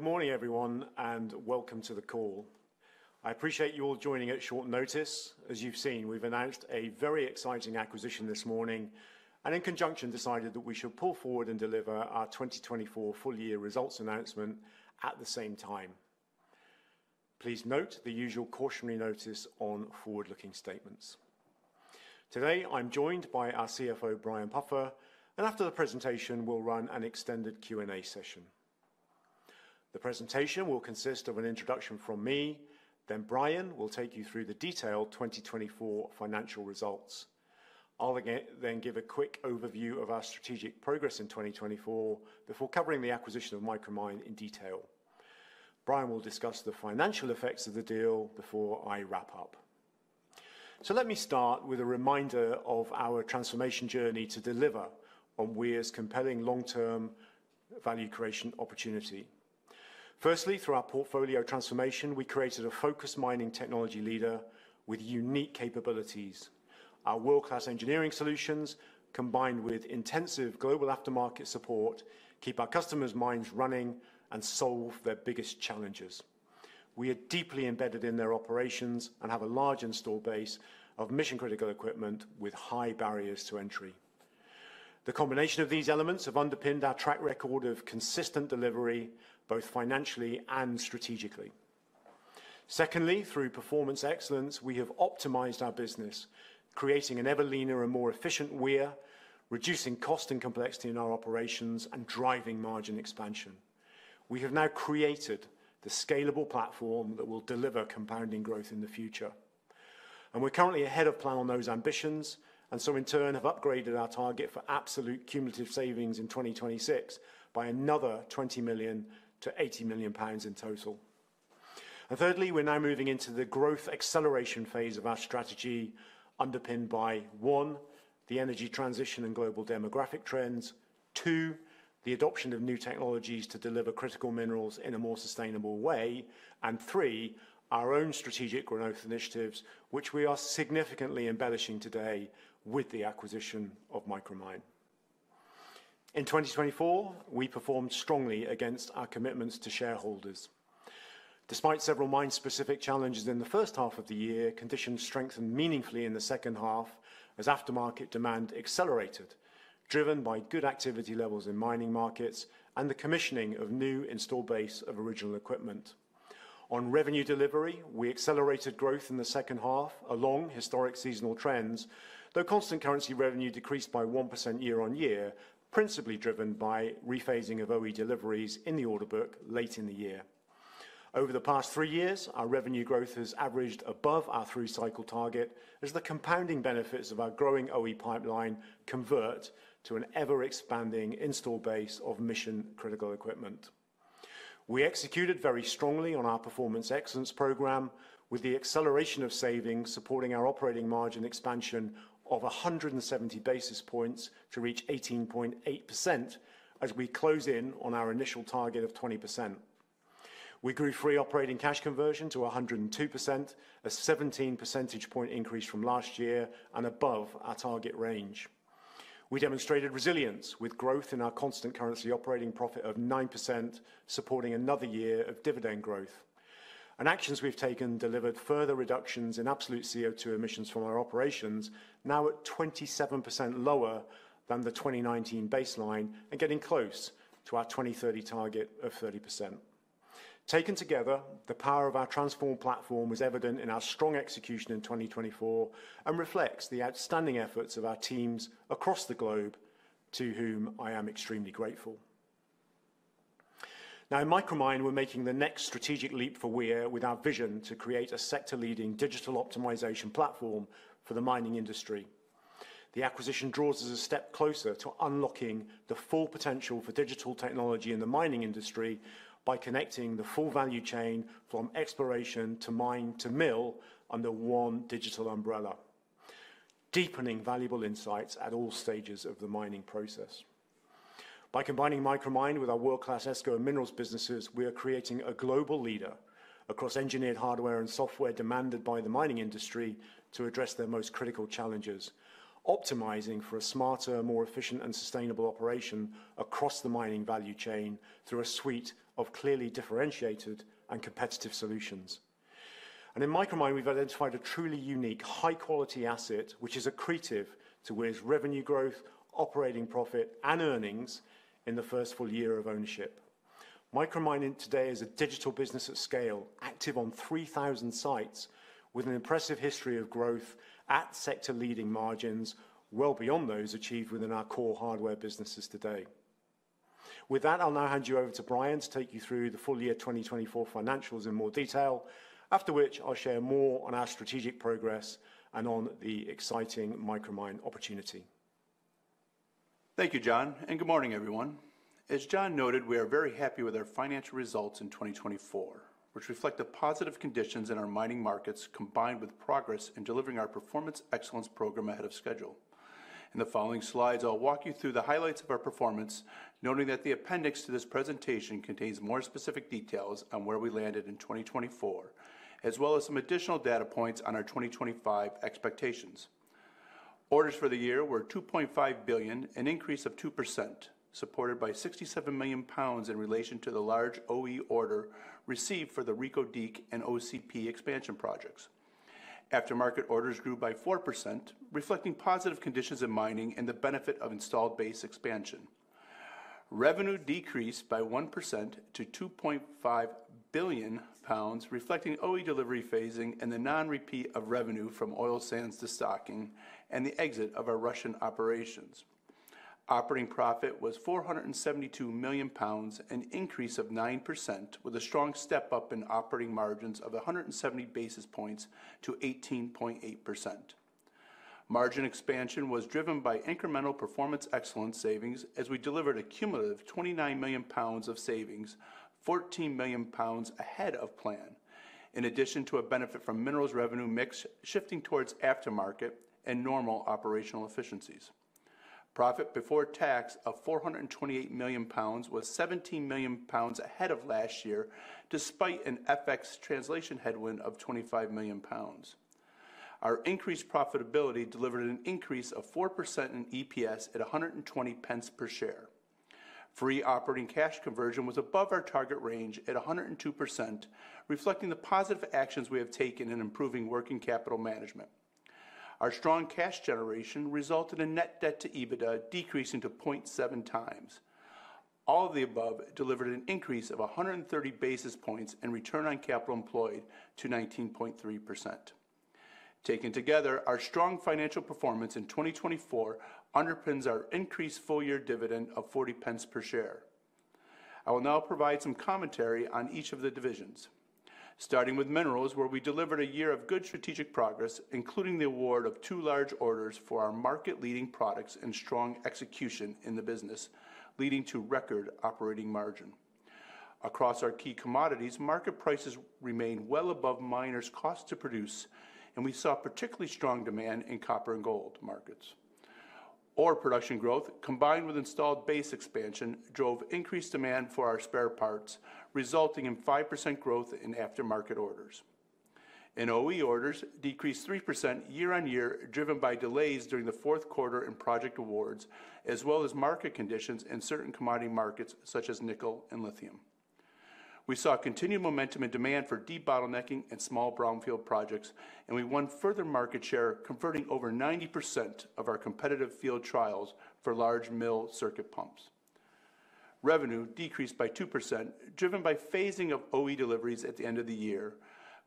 Good morning, everyone, and welcome to the call. I appreciate you all joining at short notice. As you've seen, we've announced a very exciting acquisition this morning and, in conjunction, decided that we should pull forward and deliver our 2024 full-year results announcement at the same time. Please note the usual cautionary notice on forward-looking statements. Today, I'm joined by our CFO, Brian Puffer, and after the presentation, we'll run an extended Q&A session. The presentation will consist of an introduction from me, then Brian will take you through the detailed 2024 financial results. I'll then give a quick overview of our strategic progress in 2024 before covering the acquisition of Micromine in detail. Brian will discuss the financial effects of the deal before I wrap up. So let me start with a reminder of our transformation journey to deliver on Weir's compelling long-term value creation opportunity. Firstly, through our portfolio transformation, we created a focused mining technology leader with unique capabilities. Our world-class engineering solutions, combined with intensive global aftermarket support, keep our customers' minds running and solve their biggest challenges. We are deeply embedded in their operations and have a large installed base of mission-critical equipment with high barriers to entry. The combination of these elements has underpinned our track record of consistent delivery, both financially and strategically. Secondly, through Performance Excellence, we have optimized our business, creating an ever leaner and more efficient Weir, reducing cost and complexity in our operations and driving margin expansion. We have now created the scalable platform that will deliver compounding growth in the future, and we're currently ahead of plan on those ambitions, and so, in turn, have upgraded our target for absolute cumulative savings in 2026 by another 20 million to 80 million pounds in total. Thirdly, we're now moving into the growth acceleration phase of our strategy, underpinned by one, the energy transition and global demographic trends, two, the adoption of new technologies to deliver critical minerals in a more sustainable way, and three, our own strategic growth initiatives, which we are significantly embellishing today with the acquisition of Micromine. In 2024, we performed strongly against our commitments to shareholders. Despite several mine-specific challenges in the first half of the year, conditions strengthened meaningfully in the second half as aftermarket demand accelerated, driven by good activity levels in mining markets and the commissioning of new installed base of original equipment. On revenue delivery, we accelerated growth in the second half along historic seasonal trends, though constant currency revenue decreased by 1% year-on-year, principally driven by rephasing of OE deliveries in the order book late in the year. Over the past three years, our revenue growth has averaged above our three-cycle target as the compounding benefits of our growing OE pipeline convert to an ever-expanding installed base of mission-critical equipment. We executed very strongly on our Performance Excellence programme, with the acceleration of savings supporting our operating margin expansion of 170 basis points to reach 18.8% as we close in on our initial target of 20%. We grew free operating cash conversion to 102%, a 17 percentage point increase from last year and above our target range. We demonstrated resilience with growth in our constant currency operating profit of 9%, supporting another year of dividend growth. And actions we've taken delivered further reductions in absolute CO2 emissions from our operations, now at 27% lower than the 2019 baseline and getting close to our 2030 target of 30%. Taken together, the power of our transformed platform is evident in our strong execution in 2024 and reflects the outstanding efforts of our teams across the globe, to whom I am extremely grateful. Now, in Micromine, we're making the next strategic leap for Weir with our vision to create a sector-leading digital optimization platform for the mining industry. The acquisition draws us a step closer to unlocking the full potential for digital technology in the mining industry by connecting the full value chain from exploration to mine to mill under one digital umbrella, deepening valuable insights at all stages of the mining process. By combining Micromine with our world-class ESCO and minerals businesses, we are creating a global leader across engineered hardware and software demanded by the mining industry to address their most critical challenges, optimizing for a smarter, more efficient, and sustainable operation across the mining value chain through a suite of clearly differentiated and competitive solutions. And in Micromine, we've identified a truly unique high-quality asset, which is accretive to Weir's revenue growth, operating profit, and earnings in the first full year of ownership. Micromine today is a digital business at scale, active on 3,000 sites, with an impressive history of growth at sector-leading margins, well beyond those achieved within our core hardware businesses today. With that, I'll now hand you over to Brian to take you through the full-year 2024 financials in more detail, after which I'll share more on our strategic progress and on the exciting Micromine opportunity. Thank you, Jon, and good morning, everyone. As Jon noted, we are very happy with our financial results in 2024, which reflect the positive conditions in our mining markets, combined with progress in delivering our Performance Excellence programme ahead of schedule. In the following slides, I'll walk you through the highlights of our performance, noting that the appendix to this presentation contains more specific details on where we landed in 2024, as well as some additional data points on our 2025 expectations. Orders for the year were 2.5 billion, an increase of 2%, supported by 67 million pounds in relation to the large OE order received for the Reko Diq and OCP expansion projects. Aftermarket orders grew by 4%, reflecting positive conditions in mining and the benefit of installed base expansion. Revenue decreased by 1% to 2.5 billion pounds, reflecting OE delivery phasing and the non-repeat of revenue from oil sands destocking and the exit of our Russian operations. Operating profit was 472 million pounds, an increase of 9%, with a strong step up in operating margins of 170 basis points to 18.8%. Margin expansion was driven by incremental Performance Excellence savings as we delivered a cumulative 29 million pounds of savings, 14 million pounds ahead of plan, in addition to a benefit from minerals revenue mix shifting towards aftermarket and normal operational efficiencies. Profit before tax of 428 million pounds was 17 million pounds ahead of last year, despite an FX translation headwind of 25 million pounds. Our increased profitability delivered an increase of 4% in EPS at 1.20 per share. Free operating cash conversion was above our target range at 102%, reflecting the positive actions we have taken in improving working capital management. Our strong cash generation resulted in net debt to EBITDA decreasing to 0.7x. All of the above delivered an increase of 130 basis points and return on capital employed to 19.3%. Taken together, our strong financial performance in 2024 underpins our increased full-year dividend of 0.40 per share. I will now provide some commentary on each of the divisions. Starting with minerals, where we delivered a year of good strategic progress, including the award of two large orders for our market-leading products and strong execution in the business, leading to record operating margin. Across our key commodities, market prices remained well above miners' cost to produce, and we saw particularly strong demand in copper and gold markets. Oil production growth, combined with installed base expansion, drove increased demand for our spare parts, resulting in 5% growth in aftermarket orders. In OE orders, decreased 3% year-on-year, driven by delays during the fourth quarter in project awards, as well as market conditions in certain commodity markets such as nickel and lithium. We saw continued momentum in demand for debottlenecking and small brownfield projects, and we won further market share, converting over 90% of our competitive field trials for large mill circuit pumps. Revenue decreased by 2%, driven by phasing of OE deliveries at the end of the year,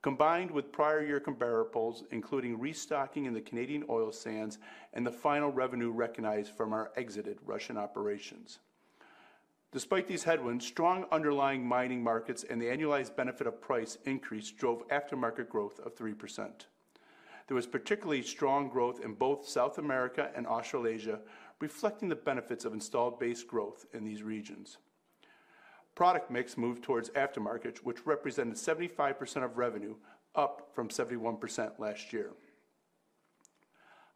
combined with prior year comparables, including restocking in the Canadian oil sands and the final revenue recognized from our exited Russian operations. Despite these headwinds, strong underlying mining markets and the annualized benefit of price increase drove aftermarket growth of 3%. There was particularly strong growth in both South America and Australasia, reflecting the benefits of installed base growth in these regions. Product mix moved towards aftermarket, which represented 75% of revenue, up from 71% last year.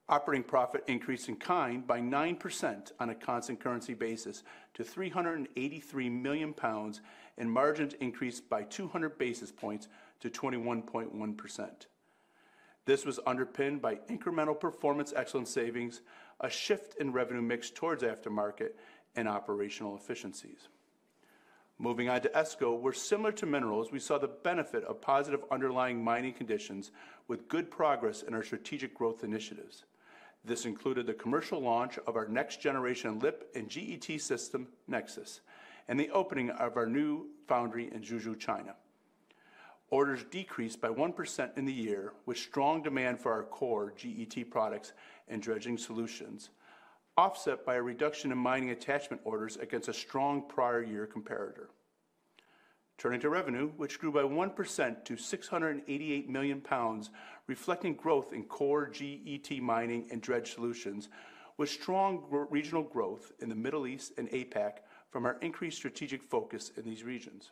Operating profit increased in kind by 9% on a constant currency basis to 383 million pounds and margins increased by 200 basis points to 21.1%. This was underpinned by incremental Performance Excellence savings, a shift in revenue mix towards aftermarket, and operational efficiencies. Moving on to ESCO, where similar to minerals, we saw the benefit of positive underlying mining conditions with good progress in our strategic growth initiatives. This included the commercial launch of our next-generation and GET system, Nexus, and the opening of our new foundry in Xuzhou, China. Orders decreased by 1% in the year, with strong demand for our core GET products and dredging solutions, offset by a reduction in mining attachment orders against a strong prior year comparator. Turning to revenue, which grew by one% to 688 million pounds, reflecting growth in core GET mining and dredge solutions, with strong regional growth in the Middle East and APAC from our increased strategic focus in these regions.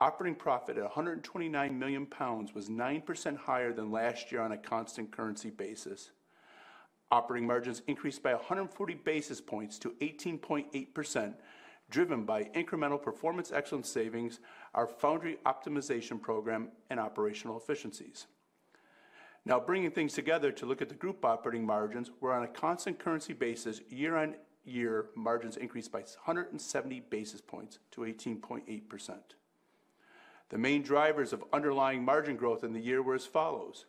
Operating profit at 129 million pounds was nine% higher than last year on a constant currency basis. Operating margins increased by 140 basis points to 18.8%, driven by incremental Performance Excellence savings, our foundry optimization program, and operational efficiencies. Now, bringing things together to look at the group operating margins, where on a constant currency basis, year-on-year, margins increased by 170 basis points to 18.8%. The main drivers of underlying margin growth in the year were as follows.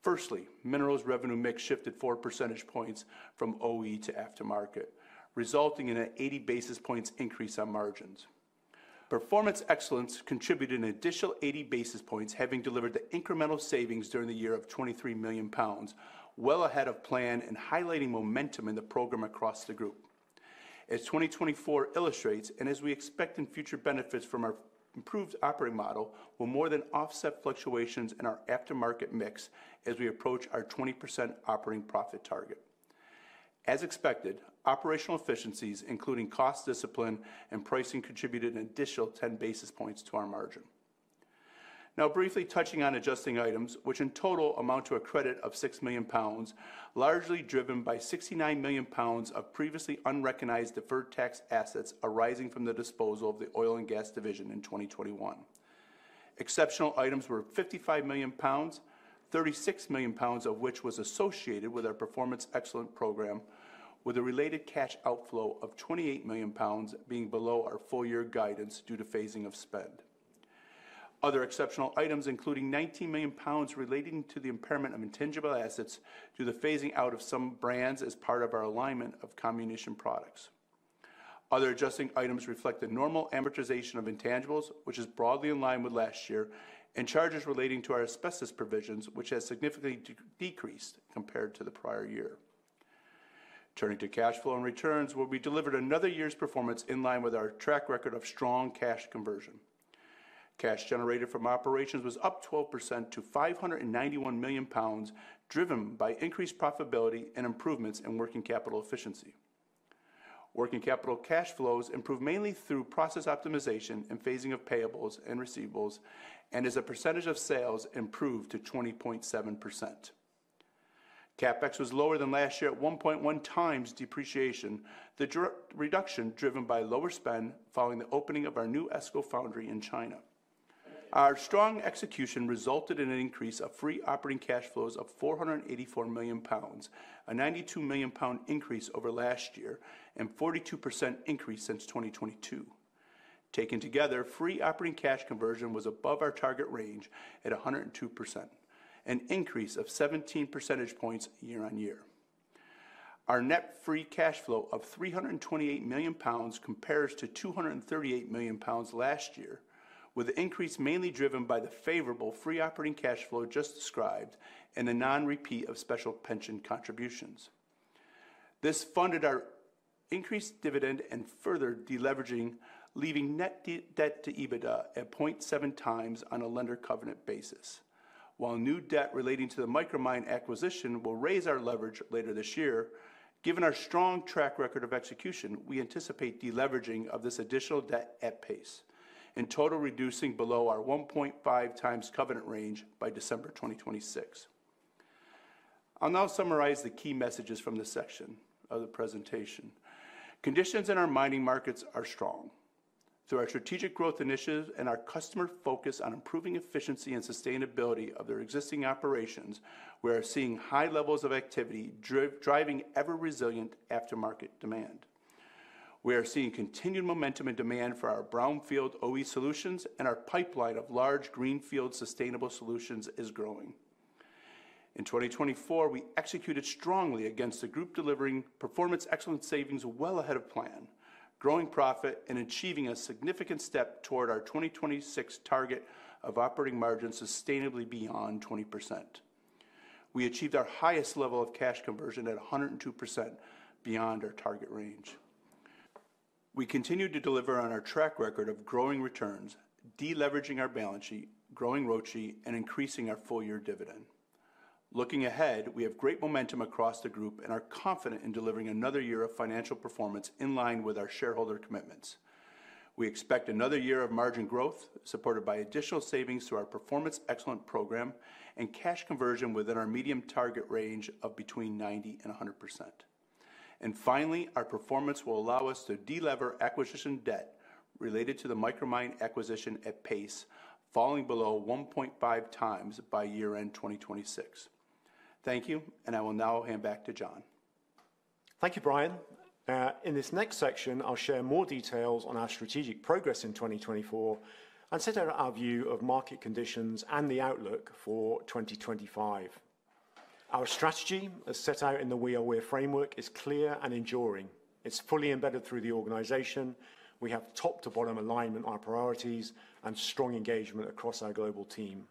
Firstly, minerals revenue mix shifted four percentage points from OE to aftermarket, resulting in an 80 basis points increase on margins. Performance Excellence contributed an additional 80 basis points, having delivered the incremental savings during the year of 23 million pounds, well ahead of plan and highlighting momentum in the program across the group. As 2024 illustrates, and as we expect in future benefits from our improved operating model, will more than offset fluctuations in our aftermarket mix as we approach our 20% operating profit target. As expected, operational efficiencies, including cost discipline and pricing, contributed an additional 10 basis points to our margin. Now, briefly touching on adjusting items, which in total amount to a credit of 6 million pounds, largely driven by 69 million pounds of previously unrecognized deferred tax assets arising from the disposal of the oil and gas division in 2021. Exceptional items were 55 million pounds, 36 million pounds of which was associated with our Performance Excellence programme, with a related cash outflow of 28 million pounds being below our full-year guidance due to phasing of spend. Other exceptional items, including 19 million pounds relating to the impairment of intangible assets due to the phasing out of some brands as part of our alignment of comminution products. Other adjusting items reflect the normal amortization of intangibles, which is broadly in line with last year, and charges relating to our asbestos provisions, which has significantly decreased compared to the prior year. Turning to cash flow and returns, where we delivered another year's performance in line with our track record of strong cash conversion. Cash generated from operations was up 12% to 591 million pounds, driven by increased profitability and improvements in working capital efficiency. Working capital cash flows improved mainly through process optimization and phasing of payables and receivables, and as a percentage of sales improved to 20.7%. CapEx was lower than last year at 1.1 times depreciation, the reduction driven by lower spend following the opening of our new ESCO foundry in China. Our strong execution resulted in an increase of free operating cash flows of 484 million pounds, a 92 million pound increase over last year and a 42% increase since 2022. Taken together, free operating cash conversion was above our target range at 102%, an increase of 17 percentage points year-on-year. Our net free cash flow of 328 million pounds compares to 238 million pounds last year, with the increase mainly driven by the favorable free operating cash flow just described and the non-repeat of special pension contributions. This funded our increased dividend and further deleveraging, leaving net debt to EBITDA at 0.7 times on a lender covenant basis. While new debt relating to the Micromine acquisition will raise our leverage later this year, given our strong track record of execution, we anticipate deleveraging of this additional debt at pace, in total reducing below our 1.5 times covenant range by December 2026. I'll now summarize the key messages from this section of the presentation. Conditions in our mining markets are strong. Through our strategic growth initiatives and our customer focus on improving efficiency and sustainability of their existing operations, we are seeing high levels of activity driving ever-resilient aftermarket demand. We are seeing continued momentum in demand for our brownfield OE solutions, and our pipeline of large greenfield sustainable solutions is growing. In 2024, we executed strongly against the group delivering Performance Excellence savings well ahead of plan, growing profit and achieving a significant step toward our 2026 target of operating margin sustainably beyond 20%. We achieved our highest level of cash conversion at 102% beyond our target range. We continue to deliver on our track record of growing returns, deleveraging our balance sheet, growing ROCE, and increasing our full-year dividend. Looking ahead, we have great momentum across the group and are confident in delivering another year of financial performance in line with our shareholder commitments. We expect another year of margin growth, supported by additional savings through our Performance Excellence programme and cash conversion within our medium target range of between 90% and 100%. Finally, our performance will allow us to delever acquisition debt related to the Micromine acquisition at pace, falling below 1.5 times by year-end 2026. Thank you, and I will now hand back to Jon. Thank you, Brian. In this next section, I'll share more details on our strategic progress in 2024 and set out our view of market conditions and the outlook for 2025. Our strategy, as set out in the Weir Way framework, is clear and enduring. It's fully embedded through the organization. We have top-to-bottom alignment on our priorities and strong engagement across our global team.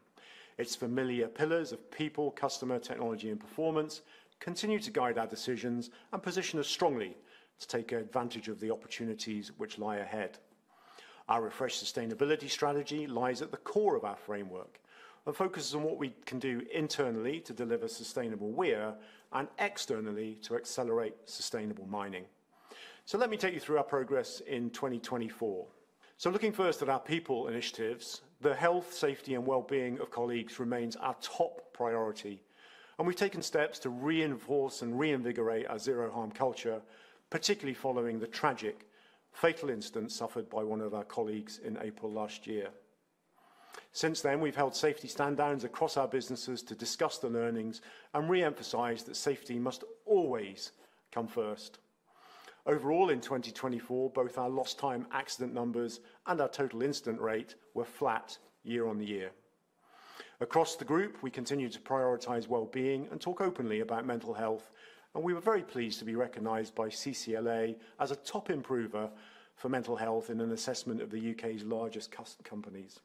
Its familiar pillars of people, customer, technology, and performance continue to guide our decisions and position us strongly to take advantage of the opportunities which lie ahead. Our refreshed sustainability strategy lies at the core of our framework and focuses on what we can do internally to deliver sustainable value and externally to accelerate sustainable mining. So let me take you through our progress in 2024. Looking first at our people initiatives, the health, safety, and well-being of colleagues remains our top priority, and we've taken steps to reinforce and reinvigorate our zero-harm culture, particularly following the tragic, fatal incident suffered by one of our colleagues in April last year. Since then, we've held safety stand-downs across our businesses to discuss the learnings and re-emphasize that safety must always come first. Overall, in 2024, both our lost-time accident numbers and our total incident rate were flat year-on-year. Across the group, we continue to prioritize well-being and talk openly about mental health, and we were very pleased to be recognized by CCLA as a top improver for mental health in an assessment of the U.K.'s largest companies.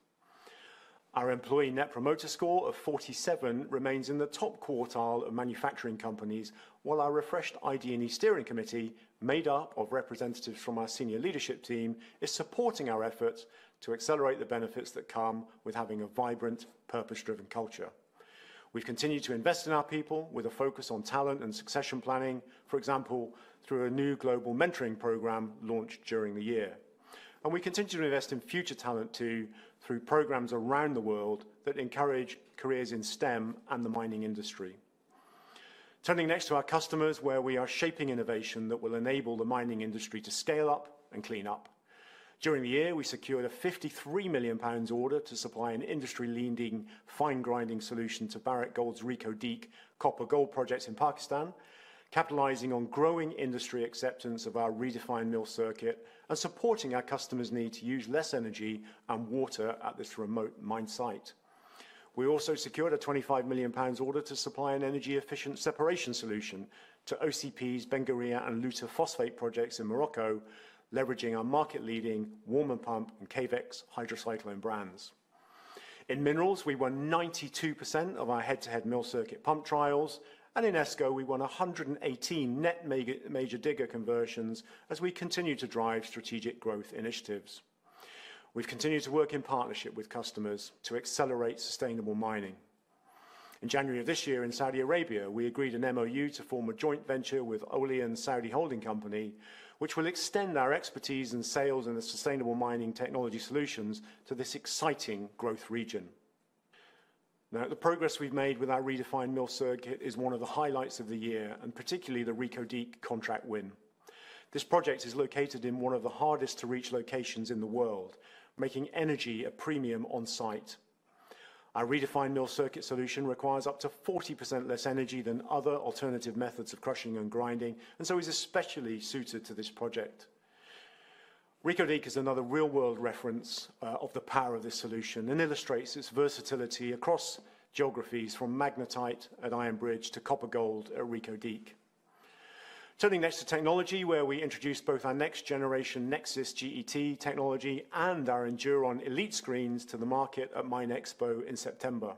Our employee Net Promoter Score of 47 remains in the top quartile of manufacturing companies, while our refreshed ID&E steering committee, made up of representatives from our senior leadership team, is supporting our efforts to accelerate the benefits that come with having a vibrant, purpose-driven culture. We continue to invest in our people with a focus on talent and succession planning, for example, through a new global mentoring program launched during the year. We continue to invest in future talent too through programs around the world that encourage careers in STEM and the mining industry. Turning next to our customers, where we are shaping innovation that will enable the mining industry to scale up and clean up. During the year, we secured a 53 million pounds order to supply an industry-leading fine-grinding solution to Barrick Gold's Reko Diq copper gold projects in Pakistan, capitalizing on growing industry acceptance of our redefined mill circuit and supporting our customers' need to use less energy and water at this remote mine site. We also secured a 25 million pounds order to supply an energy-efficient separation solution to OCP's Benguerir and Louta Phosphate projects in Morocco, leveraging our market-leading Warman Pump and Cavex hydrocyclone brands. In minerals, we won 92% of our head-to-head mill circuit pump trials, and in ESCO, we won 118 net major digger conversions as we continue to drive strategic growth initiatives. We've continued to work in partnership with customers to accelerate sustainable mining. In January of this year, in Saudi Arabia, we agreed an MoU to form a joint venture with Olayan Saudi Holding Company, which will extend our expertise in sales and sustainable mining technology solutions to this exciting growth region. Now, the progress we've made with our redefined mill circuit is one of the highlights of the year, and particularly the Reko Diq contract win. This project is located in one of the hardest-to-reach locations in the world, making energy a premium on-site. Our redefined mill circuit solution requires up to 40% less energy than other alternative methods of crushing and grinding, and so is especially suited to this project. Reko Diq is another real-world reference of the power of this solution and illustrates its versatility across geographies, from magnetite at Iron Bridge to copper-gold at Reko Diq. Turning next to technology, where we introduced both our next-generation Nexus GET technology and our Enduron Elite screens to the market at MINExpo in September.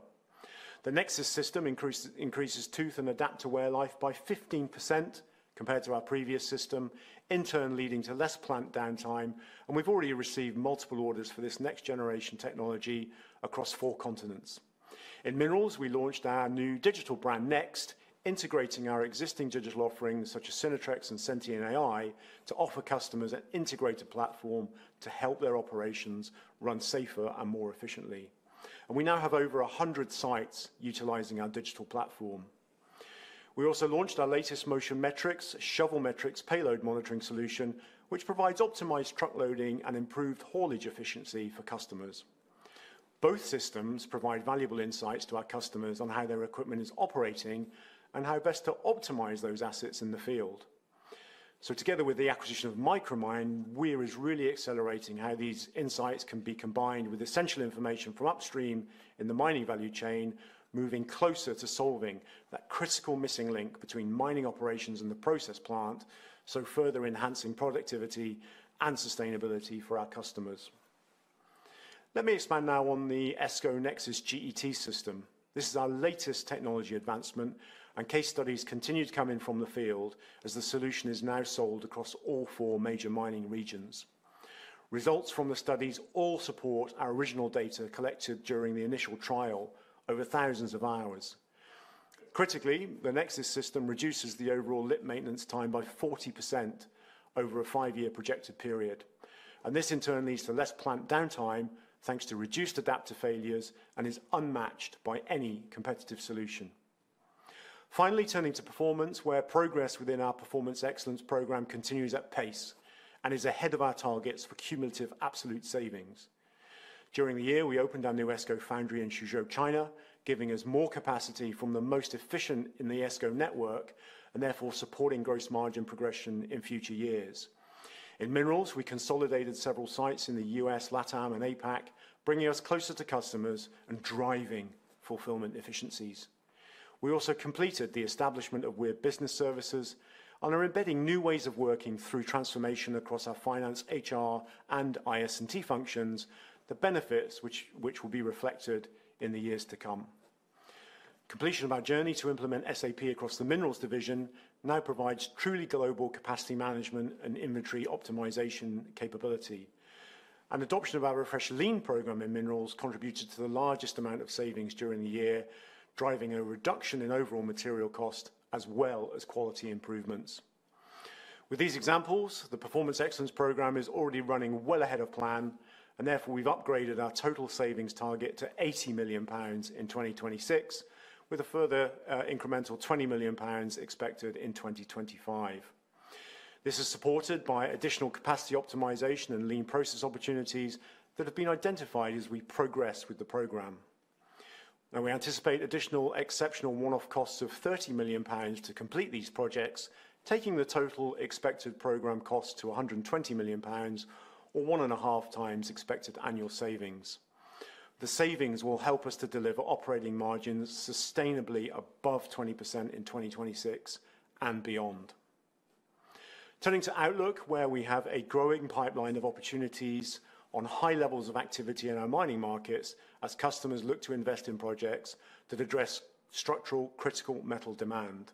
The Nexus system increases tooth and adapter wear life by 15% compared to our previous system, in turn leading to less plant downtime, and we've already received multiple orders for this next-generation technology across four continents. In minerals, we launched our new digital brand, NEXT, integrating our existing digital offerings such as Synertrex and SentianAI to offer customers an integrated platform to help their operations run safer and more efficiently. And we now have over 100 sites utilizing our digital platform. We also launched our latest Motion Metrics ShovelMetrics payload monitoring solution, which provides optimized truck loading and improved haulage efficiency for customers. Both systems provide valuable insights to our customers on how their equipment is operating and how best to optimize those assets in the field, so together with the acquisition of Micromine, Weir is really accelerating how these insights can be combined with essential information from upstream in the mining value chain, moving closer to solving that critical missing link between mining operations and the process plant, so further enhancing productivity and sustainability for our customers. Let me expand now on the ESCO Nexus GET system. This is our latest technology advancement, and case studies continue to come in from the field as the solution is now sold across all four major mining regions. Results from the studies all support our original data collected during the initial trial over thousands of hours. Critically, the Nexus system reduces the overall Lip maintenance time by 40% over a five-year projected period. This in turn leads to less plant downtime, thanks to reduced adapter failures, and is unmatched by any competitive solution. Finally, turning to performance, where progress within our Performance Excellence programme continues at pace and is ahead of our targets for cumulative absolute savings. During the year, we opened our new ESCO foundry in Xuzhou, China, giving us more capacity from the most efficient in the ESCO network and therefore supporting gross margin progression in future years. In minerals, we consolidated several sites in the U.S., LATAM, and APAC, bringing us closer to customers and driving fulfillment efficiencies. We also completed the establishment of Weir Business Services and are embedding new ways of working through transformation across our finance, HR, and IS&T functions, the benefits which will be reflected in the years to come. Completion of our journey to implement SAP across the minerals division now provides truly global capacity management and inventory optimization capability. And adoption of our refreshed lean program in minerals contributed to the largest amount of savings during the year, driving a reduction in overall material cost as well as quality improvements. With these examples, the Performance Excellence programme is already running well ahead of plan, and therefore we've upgraded our total savings target to 80 million pounds in 2026, with a further incremental 20 million pounds expected in 2025. This is supported by additional capacity optimization and lean process opportunities that have been identified as we progress with the program. Now, we anticipate additional exceptional one-off costs of 30 million pounds to complete these projects, taking the total expected program cost to 120 million pounds, or one and a half times expected annual savings. The savings will help us to deliver operating margins sustainably above 20% in 2026 and beyond. Turning to Outlook, where we have a growing pipeline of opportunities on high levels of activity in our mining markets as customers look to invest in projects that address structural critical metal demand.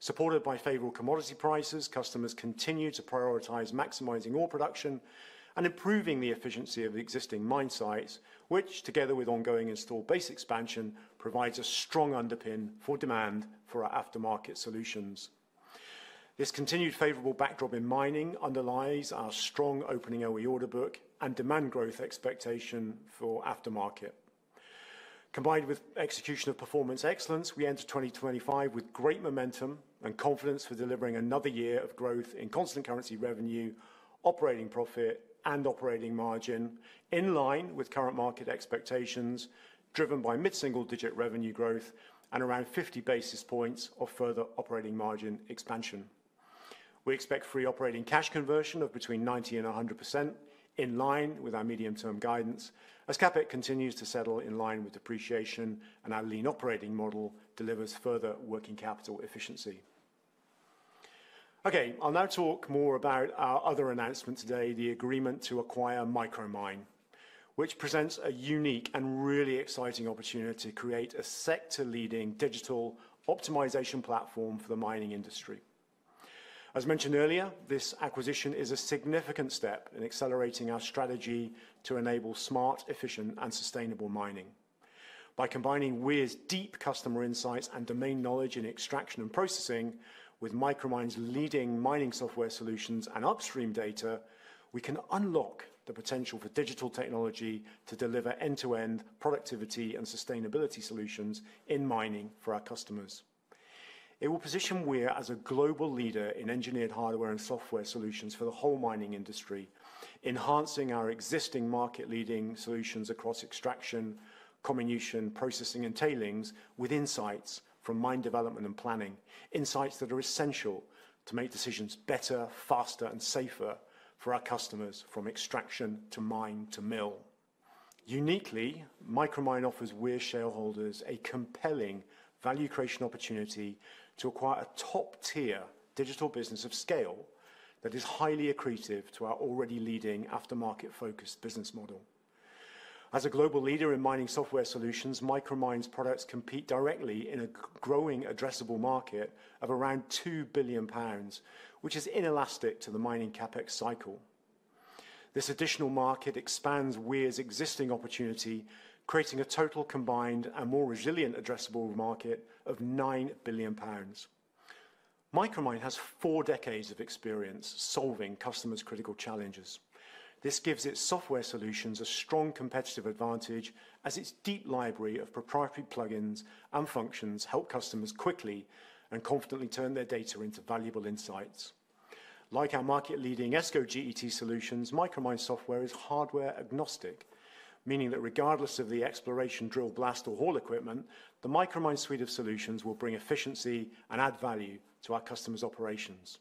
Supported by favorable commodity prices, customers continue to prioritize maximizing all production and improving the efficiency of existing mine sites, which, together with ongoing installed base expansion, provides a strong underpin for demand for our aftermarket solutions. This continued favorable backdrop in mining underlies our strong opening OE order book and demand growth expectation for aftermarket. Combined with execution of Performance Excellence, we enter 2025 with great momentum and confidence for delivering another year of growth in constant currency revenue, operating profit, and operating margin in line with current market expectations driven by mid-single digit revenue growth and around 50 basis points of further operating margin expansion. We expect free operating cash conversion of between 90% and 100% in line with our medium-term guidance as CapEx continues to settle in line with depreciation and our lean operating model delivers further working capital efficiency. Okay, I'll now talk more about our other announcement today, the agreement to acquire Micromine, which presents a unique and really exciting opportunity to create a sector-leading digital optimization platform for the mining industry. As mentioned earlier, this acquisition is a significant step in accelerating our strategy to enable smart, efficient, and sustainable mining. By combining Weir's deep customer insights and domain knowledge in extraction and processing with Micromine's leading mining software solutions and upstream data, we can unlock the potential for digital technology to deliver end-to-end productivity and sustainability solutions in mining for our customers. It will position Weir as a global leader in engineered hardware and software solutions for the whole mining industry, enhancing our existing market-leading solutions across extraction, comminution, processing, and tailings with insights from mine development and planning, insights that are essential to make decisions better, faster, and safer for our customers from extraction to mine to mill. Uniquely, Micromine offers Weir shareholders a compelling value creation opportunity to acquire a top-tier digital business of scale that is highly accretive to our already leading aftermarket-focused business model. As a global leader in mining software solutions, Micromine's products compete directly in a growing addressable market of around 2 billion pounds, which is inelastic to the mining CapEx cycle. This additional market expands Weir's existing opportunity, creating a total combined and more resilient addressable market of 9 billion pounds. Micromine has four decades of experience solving customers' critical challenges. This gives its software solutions a strong competitive advantage as its deep library of proprietary plugins and functions help customers quickly and confidently turn their data into valuable insights. Like our market-leading ESCO, GET solutions, Micromine software is hardware-agnostic, meaning that regardless of the exploration, drill, blast, or haul equipment, the Micromine suite of solutions will bring efficiency and add value to our customers' operations.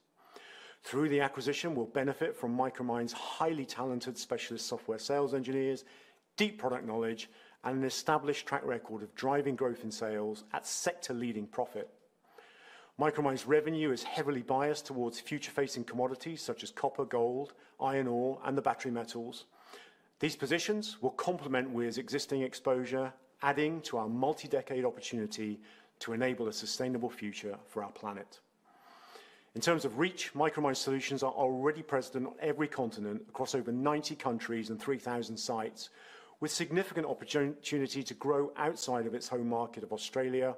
Through the acquisition, we'll benefit from Micromine's highly talented specialist software sales engineers, deep product knowledge, and an established track record of driving growth in sales at sector-leading profit. Micromine's revenue is heavily biased towards future-facing commodities such as copper, gold, iron ore, and the battery metals. These positions will complement Weir's existing exposure, adding to our multi-decade opportunity to enable a sustainable future for our planet. In terms of reach, Micromine solutions are already present on every continent across over 90 countries and 3,000 sites, with significant opportunity to grow outside of its home market of Australia,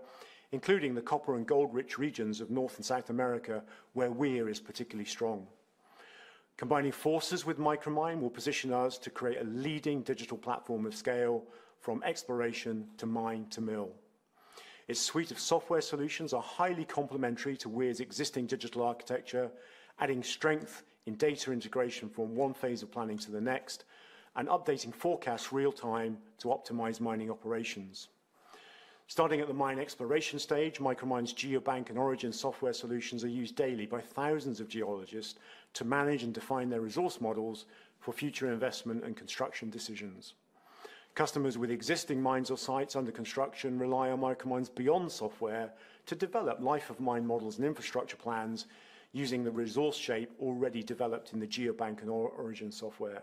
including the copper and gold-rich regions of North and South America, where Weir is particularly strong. Combining forces with Micromine will position us to create a leading digital platform of scale from exploration to mine to mill. Its suite of software solutions are highly complementary to Weir's existing digital architecture, adding strength in data integration from one phase of planning to the next and updating forecasts real-time to optimize mining operations. Starting at the mine exploration stage, Micromine's Geobank and Origin software solutions are used daily by thousands of geologists to manage and define their resource models for future investment and construction decisions. Customers with existing mines or sites under construction rely on Micromine's Beyond software to develop life-of-mine models and infrastructure plans using the resource shape already developed in the Geobank and Origin software.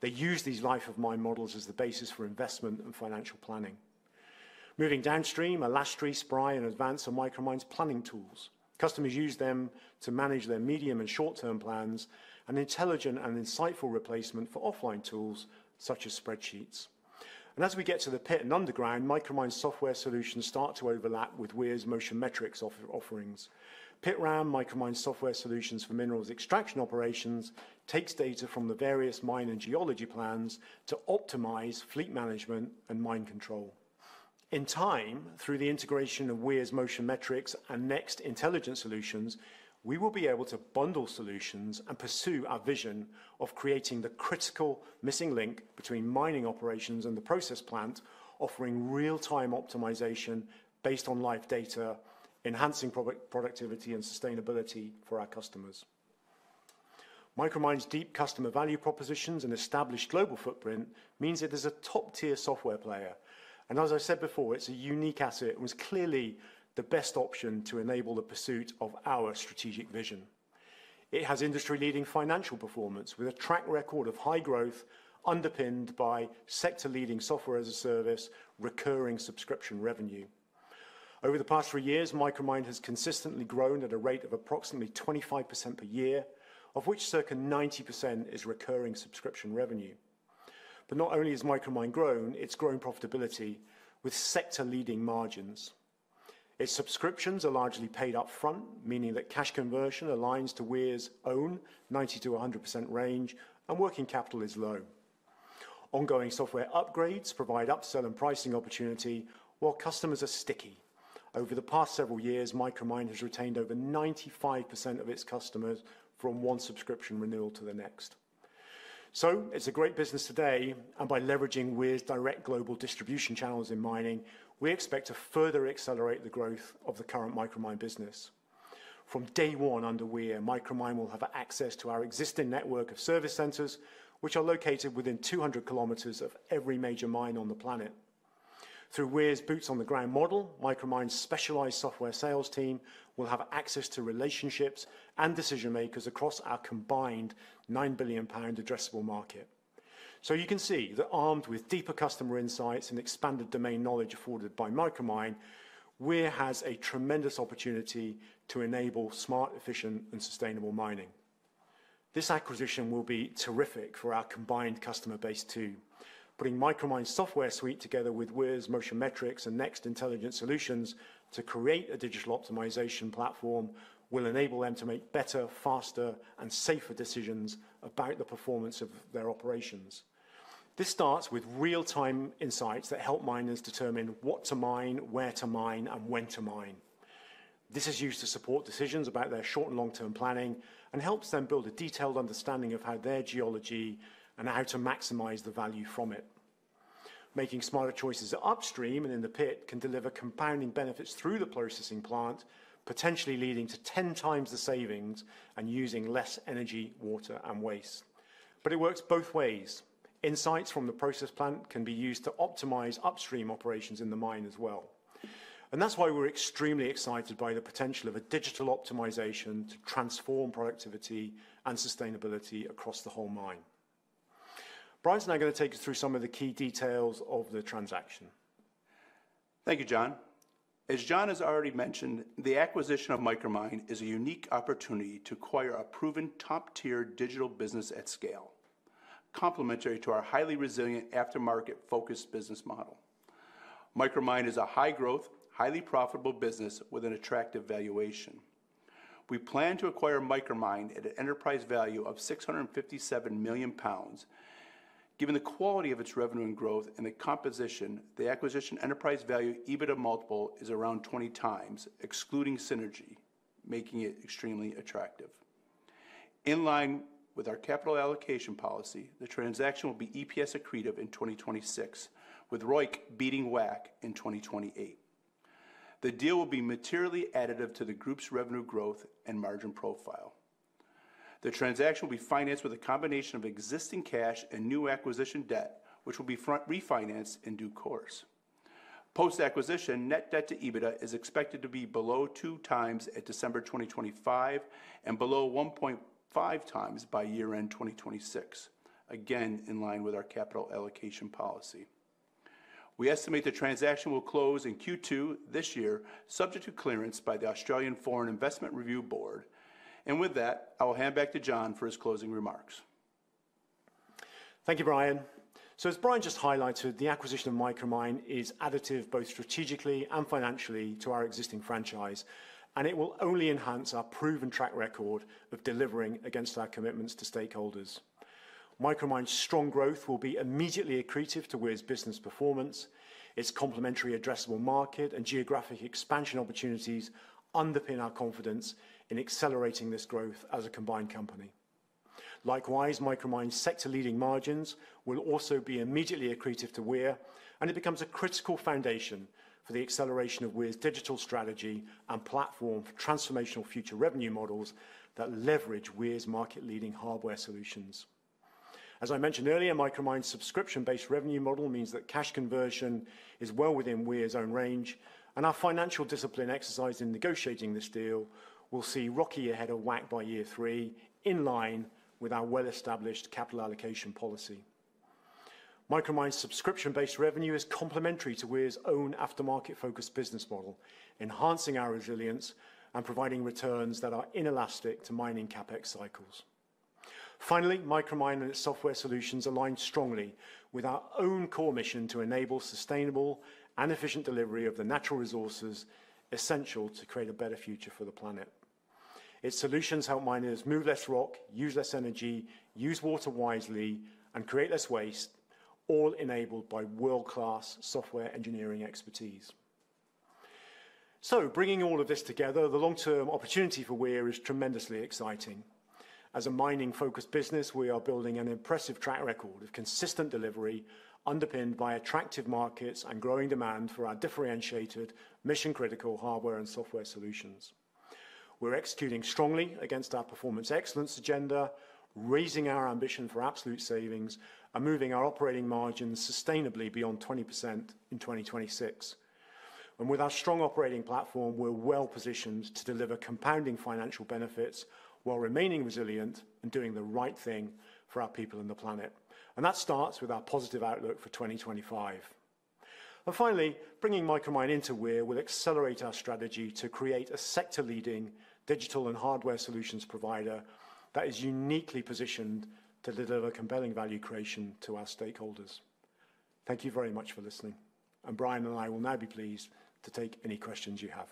They use these life-of-mine models as the basis for investment and financial planning. Moving downstream, Alastri, Spry, and Advance are Micromine's planning tools. Customers use them to manage their medium and short-term plans and intelligent and insightful replacement for offline tools such as spreadsheets. And as we get to the pit and underground, Micromine software solutions start to overlap with Weir's MOTION METRICS offerings. PitRAM, Micromine's software solutions for minerals extraction operations, takes data from the various mine and geology plans to optimize fleet management and mine control. In time, through the integration of Weir's MOTION METRICS and NEXT Intelligent Solutions, we will be able to bundle solutions and pursue our vision of creating the critical missing link between mining operations and the process plant, offering real-time optimization based on live data, enhancing productivity and sustainability for our customers. Micromine's deep customer value propositions and established global footprint means it is a top-tier software player. And as I said before, it's a unique asset and was clearly the best option to enable the pursuit of our strategic vision. It has industry-leading financial performance with a track record of high growth underpinned by sector-leading software as a service recurring subscription revenue. Over the past three years, Micromine has consistently grown at a rate of approximately 25% per year, of which circa 90% is recurring subscription revenue. But not only has Micromine grown, it's grown profitability with sector-leading margins. Its subscriptions are largely paid upfront, meaning that cash conversion aligns to Weir's own 90%-100% range, and working capital is low. Ongoing software upgrades provide upsell and pricing opportunity while customers are sticky. Over the past several years, Micromine has retained over 95% of its customers from one subscription renewal to the next. So it's a great business today. And by leveraging Weir's direct global distribution channels in mining, we expect to further accelerate the growth of the current Micromine business. From day one under Weir, Micromine will have access to our existing network of service centers, which are located within 200km of every major mine on the planet. Through Weir's boots-on-the-ground model, Micromine's specialized software sales team will have access to relationships and decision-makers across our combined 9 billion pound addressable market. So you can see that armed with deeper customer insights and expanded domain knowledge afforded by Micromine, Weir has a tremendous opportunity to enable smart, efficient, and sustainable mining. This acquisition will be terrific for our combined customer base too. Putting Micromine's software suite together with Weir's MOTION METRICS and NEXT Intelligent Solutions to create a digital optimization platform will enable them to make better, faster, and safer decisions about the performance of their operations. This starts with real-time insights that help miners determine what to mine, where to mine, and when to mine. This is used to support decisions about their short and long-term planning and helps them build a detailed understanding of how their geology and how to maximize the value from it. Making smarter choices upstream and in the pit can deliver compounding benefits through the processing plant, potentially leading to 10x the savings and using less energy, water, and waste. But it works both ways. Insights from the process plant can be used to optimize upstream operations in the mine as well. And that's why we're extremely excited by the potential of a digital optimization to transform productivity and sustainability across the whole mine. Brian is now going to take us through some of the key details of the transaction. Thank you, Jon. As Jon has already mentioned, the acquisition of Micromine is a unique opportunity to acquire a proven top-tier digital business at scale, complementary to our highly resilient aftermarket-focused business model. Micromine is a high-growth, highly profitable business with an attractive valuation. We plan to acquire Micromine at an enterprise value of 657 million pounds, given the quality of its revenue and growth and the composition, the acquisition enterprise value EBITDA multiple is around 20x, excluding synergy, making it extremely attractive. In line with our capital allocation policy, the transaction will be EPS accretive in 2026, with ROIC beating WACC in 2028. The deal will be materially additive to the group's revenue growth and margin profile. The transaction will be financed with a combination of existing cash and new acquisition debt, which will be refinanced in due course. Post-acquisition, net debt to EBITDA is expected to be below 2x at December 2025 and below 1.5x by year-end 2026, again in line with our capital allocation policy. We estimate the transaction will close in Q2 this year, subject to clearance by the Australian Foreign Investment Review Board. And with that, I will hand back to Jon for his closing remarks. Thank you, Brian. So as Brian just highlighted, the acquisition of Micromine is additive both strategically and financially to our existing franchise, and it will only enhance our proven track record of delivering against our commitments to stakeholders. Micromine's strong growth will be immediately accretive to Weir's business performance. Its complementary addressable market and geographic expansion opportunities underpin our confidence in accelerating this growth as a combined company. Likewise, Micromine's sector-leading margins will also be immediately accretive to Weir, and it becomes a critical foundation for the acceleration of Weir's digital strategy and platform for transformational future revenue models that leverage Weir's market-leading hardware solutions. As I mentioned earlier, Micromine's subscription-based revenue model means that cash conversion is well within Weir's own range, and our financial discipline exercised in negotiating this deal will see ROIC ahead of WACC by year three, in line with our well-established capital allocation policy. Micromine's subscription-based revenue is complementary to Weir's own aftermarket-focused business model, enhancing our resilience and providing returns that are inelastic to mining CapEx cycles. Finally, Micromine and its software solutions align strongly with our own core mission to enable sustainable and efficient delivery of the natural resources essential to create a better future for the planet. Its solutions help miners move less rock, use less energy, use water wisely, and create less waste, all enabled by world-class software engineering expertise. So bringing all of this together, the long-term opportunity for Weir is tremendously exciting. As a mining-focused business, we are building an impressive track record of consistent delivery underpinned by attractive markets and growing demand for our differentiated, mission-critical hardware and software solutions. We're executing strongly against our Performance Excellence agenda, raising our ambition for absolute savings and moving our operating margins sustainably beyond 20% in 2026. And with our strong operating platform, we're well positioned to deliver compounding financial benefits while remaining resilient and doing the right thing for our people and the planet. And that starts with our positive outlook for 2025. And finally, bringing Micromine into Weir will accelerate our strategy to create a sector-leading digital and hardware solutions provider that is uniquely positioned to deliver compelling value creation to our stakeholders. Thank you very much for listening. And Brian and I will now be pleased to take any questions you have.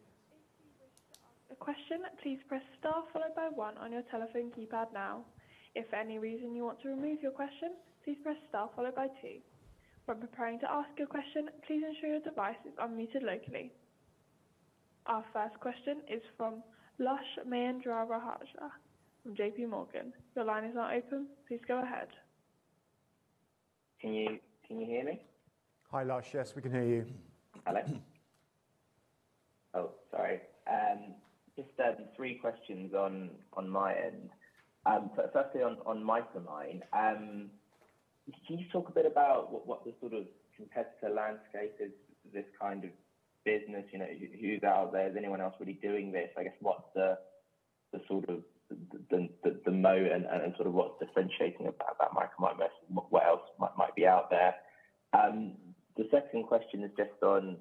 If you wish to ask a question, please press star followed by one on your telephone keypad now. If for any reason you want to remove your question, please press star followed by two. When preparing to ask your question, please ensure your device is unmuted locally. Our first question is from Lushanthan Mahendrarajah from JPMorgan. Your line is now open. Please go ahead. Can you hear me? Hi, Lush. Yes, we can hear you. Oh, sorry. Just three questions on my end. Firstly, on Micromine, can you talk a bit about what the sort of competitor landscape is for this kind of business? Who's out there? Is anyone else really doing this? I guess what's the sort of the moat and sort of what's differentiating about Micromine versus what else might be out there? The second question is just on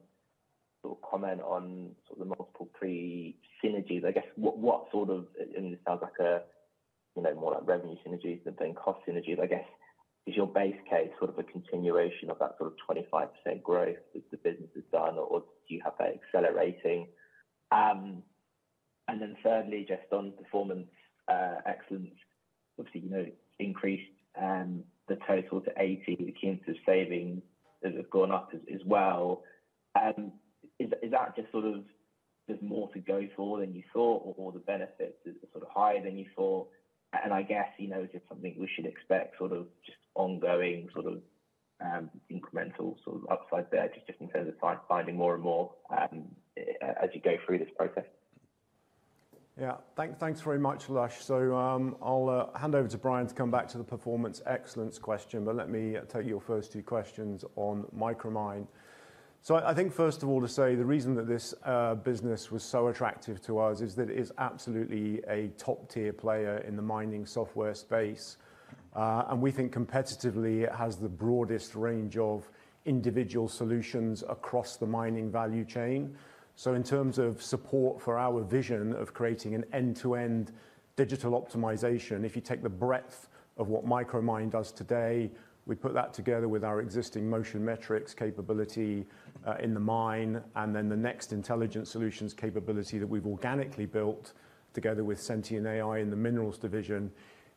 sort of comment on sort of the multiple synergies. I guess what sort of, and this sounds like more like revenue synergies than cost synergies, I guess, is your base case sort of a continuation of that sort of 25% growth that the business has done, or do you have that accelerating? And then thirdly, just on Performance Excellence. Obviously, you know, increased the total to 80, the key initiatives savings that have gone up as well. Is that just sort of there's more to go for than you thought, or the benefits are sort of higher than you thought? And I guess it's just something we should expect sort of just ongoing sort of incremental sort of upside there, just in terms of finding more and more as you go through this process. Yeah. Thanks very much, Lush. So I'll hand over to Brian to come back to the Performance Excellence question, but let me take your first two questions on Micromine. So I think first of all to say the reason that this business was so attractive to us is that it is absolutely a top-tier player in the mining software space. And we think competitively it has the broadest range of individual solutions across the mining value chain. So in terms of support for our vision of creating an end-to-end digital optimization, if you take the breadth of what Micromine does today, we put that together with our existing Motion Metrics capability in the mine, and then the NEXT Intelligent Solutions capability that we've organically built together with SentianAI in the minerals division,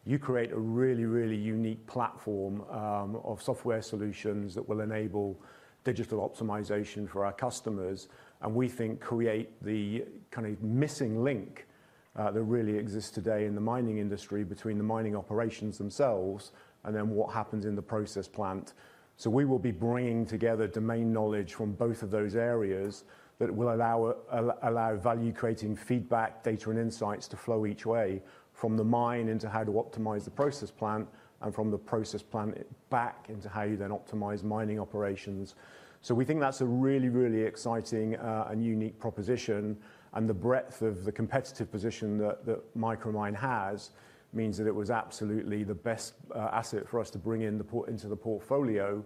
you create a really, really unique platform of software solutions that will enable digital optimization for our customers. And we think create the kind of missing link that really exists today in the mining industry between the mining operations themselves and then what happens in the process plant. So we will be bringing together domain knowledge from both of those areas that will allow value-creating feedback, data, and insights to flow each way from the mine into how to optimize the process plant and from the process plant back into how you then optimize mining operations. So we think that's a really, really exciting and unique proposition. And the breadth of the competitive position that Micromine has means that it was absolutely the best asset for us to bring into the portfolio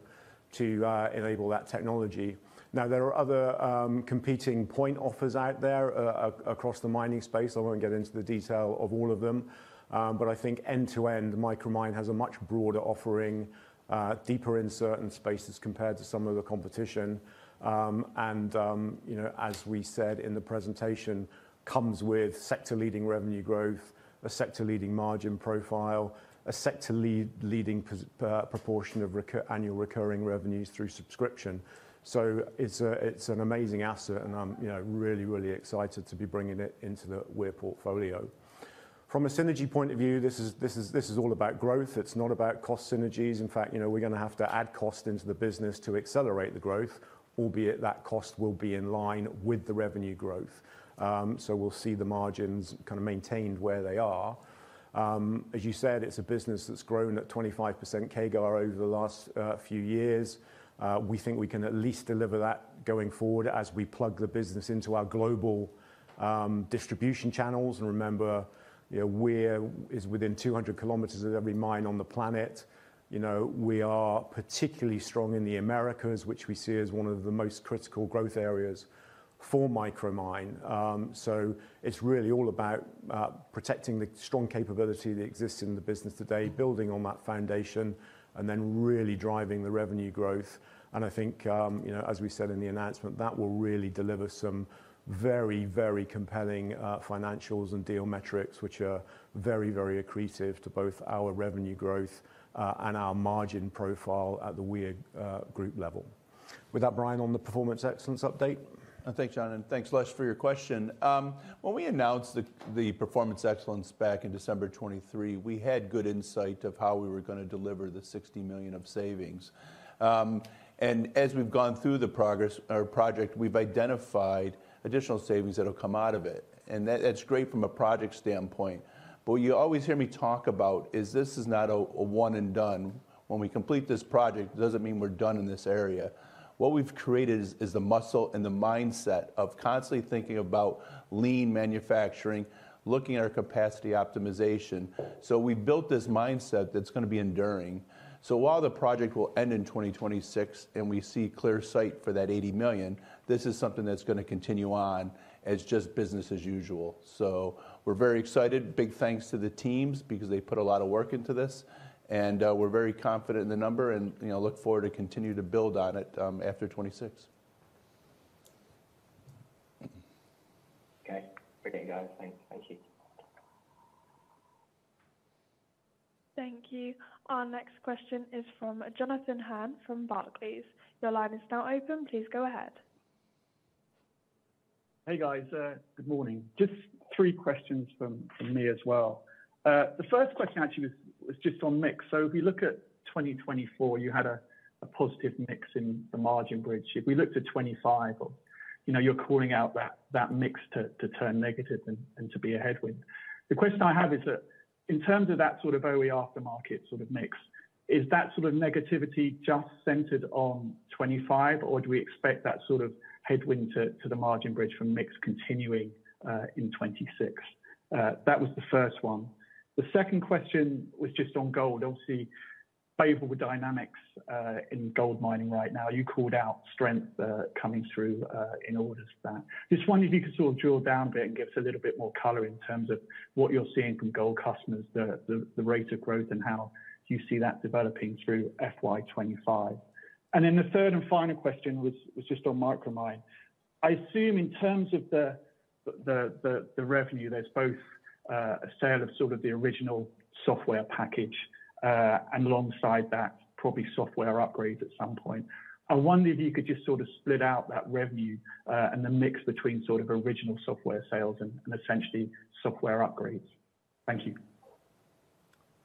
to enable that technology. Now, there are other competing point offers out there across the mining space. I won't get into the detail of all of them. But I think end-to-end, Micromine has a much broader offering, deeper in certain spaces compared to some of the competition. And as we said in the presentation, it comes with sector-leading revenue growth, a sector-leading margin profile, a sector-leading proportion of annual recurring revenues through subscription. So it's an amazing asset, and I'm really, really excited to be bringing it into the Weir portfolio. From a synergy point of view, this is all about growth. It's not about cost synergies. In fact, we're going to have to add cost into the business to accelerate the growth, albeit that cost will be in line with the revenue growth. So we'll see the margins kind of maintained where they are. As you said, it's a business that's grown at 25% CAGR over the last few years. We think we can at least deliver that going forward as we plug the business into our global distribution channels. And remember, Weir is within 200km of every mine on the planet. We are particularly strong in the Americas, which we see as one of the most critical growth areas for Micromine. It's really all about protecting the strong capability that exists in the business today, building on that foundation, and then really driving the revenue growth. I think, as we said in the announcement, that will really deliver some very, very compelling financials and deal metrics, which are very, very accretive to both our revenue growth and our margin profile at the Weir Group level. With that, Brian, on the Performance Excellence update. Thanks, Jon. Thanks, Lush, for your question. When we announced the Performance Excellence back in December 2023, we had good insight of how we were going to deliver the 60 million of savings. As we've gone through the progress of our project, we've identified additional savings that will come out of it. That's great from a project standpoint. But what you always hear me talk about is this is not a one-and-done. When we complete this project, it doesn't mean we're done in this area. What we've created is the muscle and the mindset of constantly thinking about lean manufacturing, looking at our capacity optimization. So we built this mindset that's going to be enduring. So while the project will end in 2026 and we see clear sight for that 80 million, this is something that's going to continue on as just business as usual. So we're very excited. Big thanks to the teams because they put a lot of work into this. And we're very confident in the number and look forward to continue to build on it after 2026. Okay. Okay, guys. Thank you. Thank you. Our next question is from Jonathan Hurn from Barclays. Your line is now open. Please go ahead. Hey, guys. Good morning. Just three questions from me as well. The first question actually was just on mix. So if we look at 2024, you had a positive mix in the margin bridge. If we looked at 2025, you're calling out that mix to turn negative and to be a headwind. The question I have is that in terms of that sort of OE aftermarket sort of mix, is that sort of negativity just centered on 2025, or do we expect that sort of headwind to the margin bridge from mix continuing in 2026? That was the first one. The second question was just on gold. Obviously, favorable dynamics in gold mining right now. You called out strength coming through in order to that. Just wondering if you could sort of drill down a bit and give us a little bit more color in terms of what you're seeing from gold customers, the rate of growth, and how you see that developing through FY 2025. And then the third and final question was just on Micromine. I assume in terms of the revenue, there's both a sale of sort of the original software package and alongside that, probably software upgrades at some point. I wonder if you could just sort of split out that revenue and the mix between sort of original software sales and essentially software upgrades. Thank you.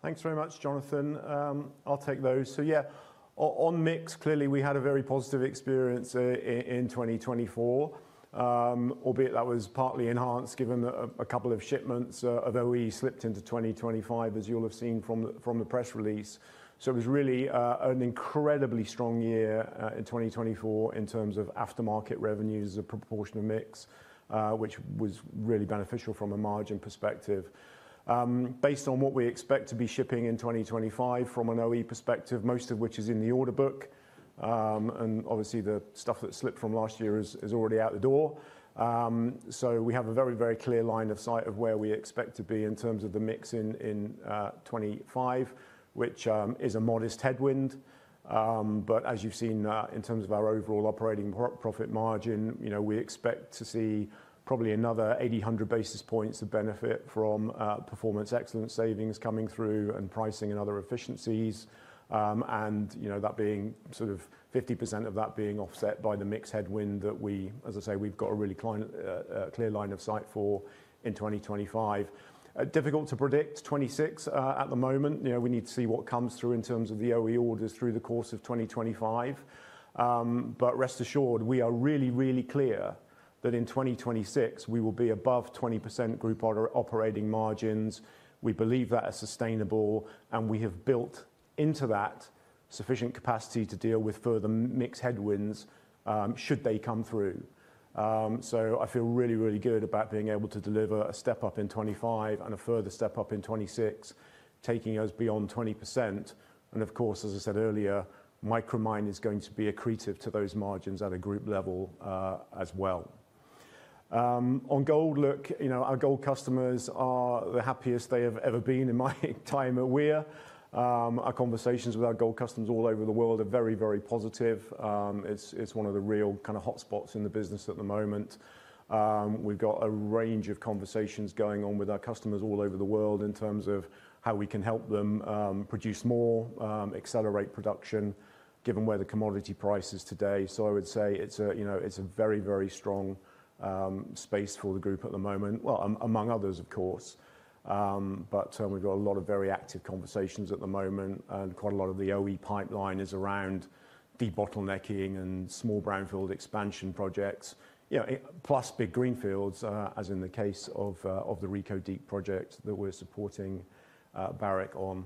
Thanks very much, Jonathan. I'll take those. So yeah, on mix, clearly we had a very positive experience in 2024, albeit that was partly enhanced given a couple of shipments of OE slipped into 2025, as you'll have seen from the press release. So it was really an incredibly strong year in 2024 in terms of aftermarket revenues as a proportion of mix, which was really beneficial from a margin perspective. Based on what we expect to be shipping in 2025 from an OE perspective, most of which is in the order book. And obviously, the stuff that slipped from last year is already out the door. So we have a very, very clear line of sight of where we expect to be in terms of the mix in 2025, which is a modest headwind. But as you've seen, in terms of our overall operating profit margin, we expect to see probably another 80,000 basis points of benefit from Performance Excellence savings coming through and pricing and other efficiencies. That being sort of 50% of that being offset by the mix headwind that we, as I say, we've got a really clear line of sight for in 2025. It is difficult to predict 2026 at the moment. We need to see what comes through in terms of the OE orders through the course of 2025. But rest assured, we are really, really clear that in 2026, we will be above 20% group operating margins. We believe that is sustainable, and we have built into that sufficient capacity to deal with further mix headwinds should they come through. I feel really, really good about being able to deliver a step up in 2025 and a further step up in 2026, taking us beyond 20%. Of course, as I said earlier, Micromine is going to be accretive to those margins at a group level as well. On gold, look, our gold customers are the happiest they have ever been in my time at Weir. Our conversations with our gold customers all over the world are very, very positive. It's one of the real kind of hotspots in the business at the moment. We've got a range of conversations going on with our customers all over the world in terms of how we can help them produce more, accelerate production, given where the commodity price is today, so I would say it's a very, very strong space for the group at the moment, well, among others, of course, but we've got a lot of very active conversations at the moment, and quite a lot of the OE pipeline is around debottlenecking and small brownfield expansion projects, plus big greenfields, as in the case of the Reko Diq project that we're supporting Barrick on.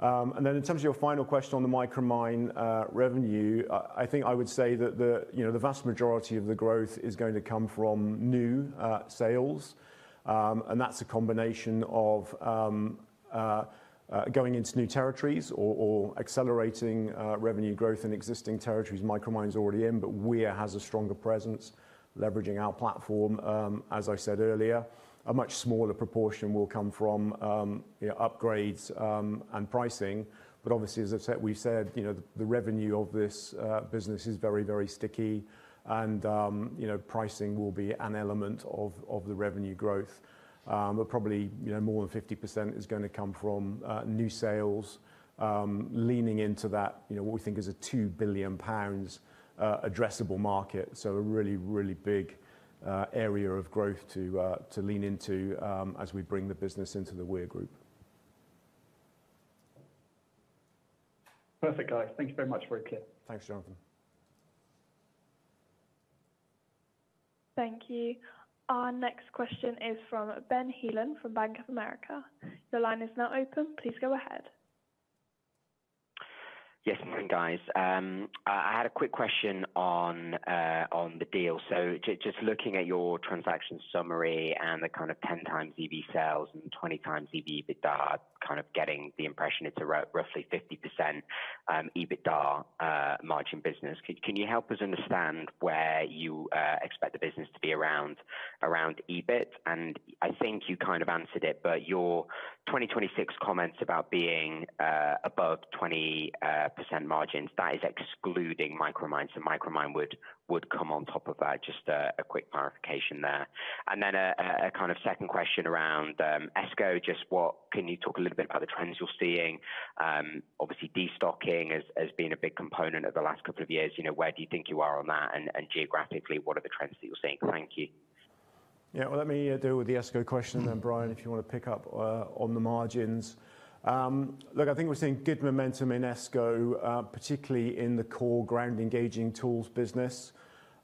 Then in terms of your final question on the Micromine revenue, I think I would say that the vast majority of the growth is going to come from new sales. That's a combination of going into new territories or accelerating revenue growth in existing territories Micromine is already in, but Weir has a stronger presence leveraging our platform, as I said earlier. A much smaller proportion will come from upgrades and pricing. But obviously, as we've said, the revenue of this business is very, very sticky, and pricing will be an element of the revenue growth. But probably more than 50% is going to come from new sales, leaning into that, what we think is a 2 billion pounds addressable market. So a really, really big area of growth to lean into as we bring the business into the Weir Group. Perfect, guys. Thank you very much. Thanks, Jonathan. Thank you. Our next question is from Ben Heelan from Bank of America. Your line is now open. Please go ahead. Yes, morning, guys. I had a quick question on the deal. So just looking at your transaction summary and the kind of 10x EV sales and 20 times EV EBITDA, kind of getting the impression it's a roughly 50% EBITDA margin business. Can you help us understand where you expect the business to be around EBIT? And I think you kind of answered it, but your 2026 comments about being above 20% margins, that is excluding Micromine, so Micromine would come on top of that. Just a quick clarification there. And then a kind of second question around ESCO, just what can you talk a little bit about the trends you're seeing? Obviously, destocking has been a big component of the last couple of years. Where do you think you are on that? And geographically, what are the trends that you're seeing? Thank you. Yeah, well, let me deal with the ESCO question then, Brian, if you want to pick up on the margins. Look, I think we're seeing good momentum in ESCO, particularly in the core ground engaging tools business.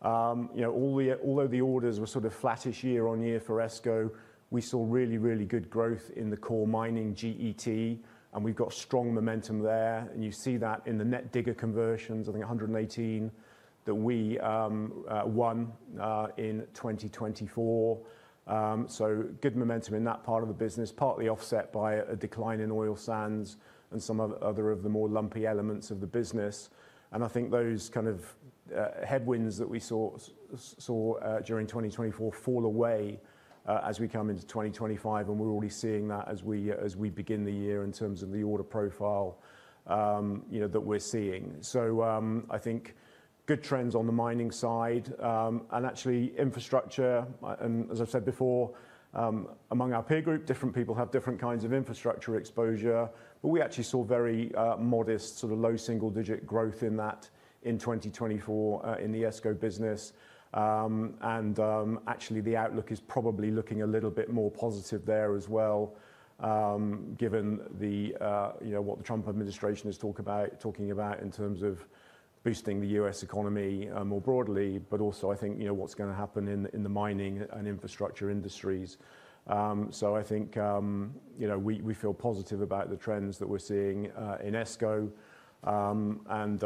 Although the orders were sort of flattish year-on-year for ESCO, we saw really, really good growth in the core mining GET, and we've got strong momentum there. And you see that in the net digger conversions, I think 118 that we won in 2024. So good momentum in that part of the business, partly offset by a decline in oil sands and some other of the more lumpy elements of the business. I think those kind of headwinds that we saw during 2024 fall away as we come into 2025, and we're already seeing that as we begin the year in terms of the order profile that we're seeing. I think good trends on the mining side. Actually, infrastructure, and as I've said before, among our peer group, different people have different kinds of infrastructure exposure. We actually saw very modest sort of low single-digit growth in that in 2024 in the ESCO business. Actually, the outlook is probably looking a little bit more positive there as well, given what the Trump administration is talking about in terms of boosting the U.S. economy more broadly, but also, I think, what's going to happen in the mining and infrastructure industries. I think we feel positive about the trends that we're seeing in ESCO. And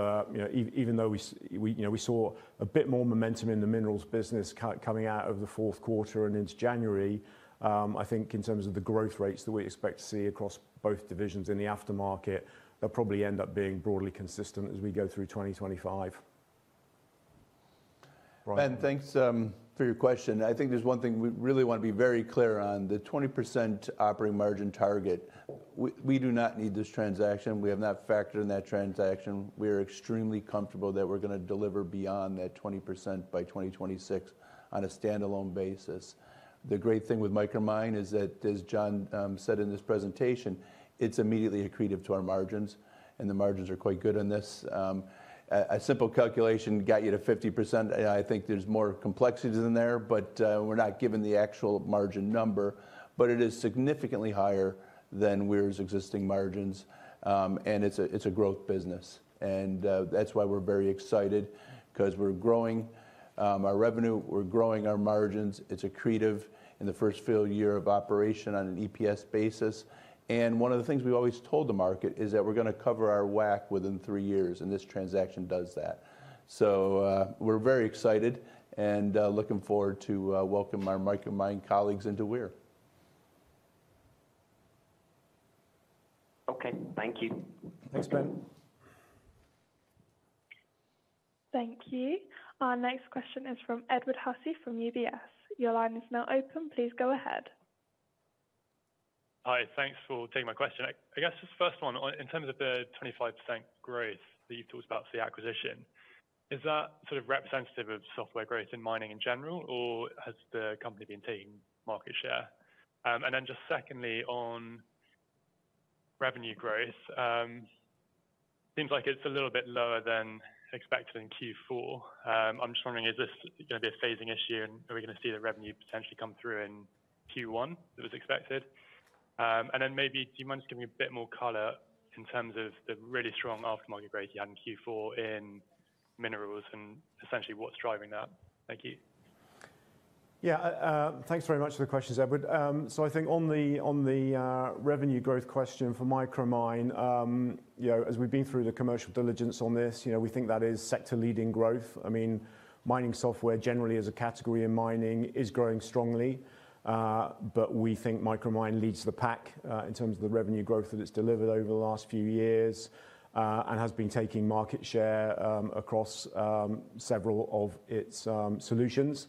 even though we saw a bit more momentum in the minerals business coming out of the fourth quarter and into January, I think in terms of the growth rates that we expect to see across both divisions in the aftermarket, they'll probably end up being broadly consistent as we go through 2025. Brian. Ben, thanks for your question. I think there's one thing we really want to be very clear on. The 20% operating margin target, we do not need this transaction. We have not factored in that transaction. We are extremely comfortable that we're going to deliver beyond that 20% by 2026 on a standalone basis. The great thing with Micromine is that, as Jon said in this presentation, it's immediately accretive to our margins, and the margins are quite good on this. A simple calculation got you to 50%. I think there's more complexity than there, but we're not given the actual margin number, but it is significantly higher than Weir's existing margins, and it's a growth business, and that's why we're very excited because we're growing our revenue, we're growing our margins. It's accretive in the first few years of operation on an EPS basis, and one of the things we've always told the market is that we're going to cover our WACC within three years, and this transaction does that, so we're very excited and looking forward to welcoming our Micromine colleagues into Weir. Okay, thank you. Thanks, Ben. Thank you. Our next question is from Edward Hussey from UBS. Your line is now open. Please go ahead. Hi, thanks for taking my question. I guess just first one, in terms of the 25% growth that you've talked about for the acquisition, is that sort of representative of software growth in mining in general, or has the company been taking market share? And then just secondly, on revenue growth, it seems like it's a little bit lower than expected in Q4. I'm just wondering, is this going to be a phasing issue, and are we going to see the revenue potentially come through in Q1 that was expected? And then maybe do you mind just giving me a bit more color in terms of the really strong aftermarket growth you had in Q4 in minerals and essentially what's driving that? Thank you. Yeah, thanks very much for the questions, Edward. So I think on the revenue growth question for Micromine, as we've been through the commercial diligence on this, we think that is sector-leading growth. I mean, mining software generally as a category in mining is growing strongly, but we think Micromine leads the pack in terms of the revenue growth that it's delivered over the last few years and has been taking market share across several of its solutions.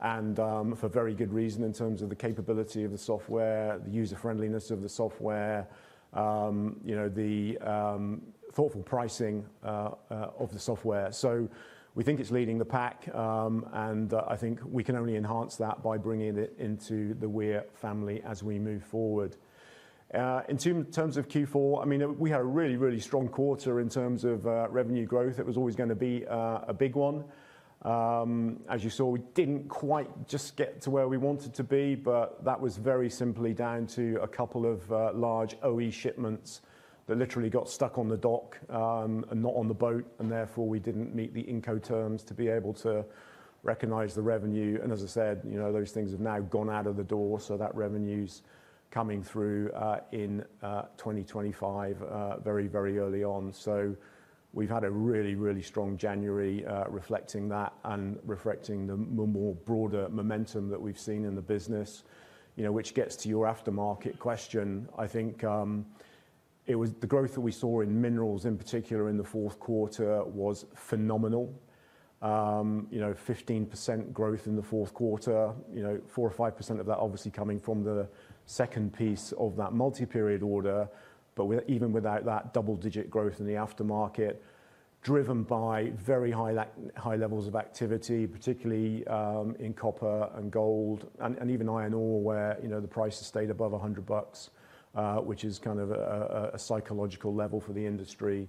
And for very good reason in terms of the capability of the software, the user-friendliness of the software, the thoughtful pricing of the software. So we think it's leading the pack, and I think we can only enhance that by bringing it into the Weir family as we move forward. In terms of Q4, I mean, we had a really, really strong quarter in terms of revenue growth. It was always going to be a big one. As you saw, we didn't quite just get to where we wanted to be, but that was very simply down to a couple of large OE shipments that literally got stuck on the dock and not on the boat, and therefore we didn't meet the Incoterms to be able to recognize the revenue, and as I said, those things have now gone out of the door, so that revenue's coming through in 2025 very, very early on, so we've had a really, really strong January reflecting that and reflecting the more broader momentum that we've seen in the business. Which gets to your aftermarket question, I think the growth that we saw in minerals, in particular in the fourth quarter, was phenomenal. 15% growth in the fourth quarter, 4% or 5% of that obviously coming from the second piece of that multi-period order. But even without that double-digit growth in the aftermarket, driven by very high levels of activity, particularly in copper and gold and even iron ore, where the price has stayed above $100, which is kind of a psychological level for the industry.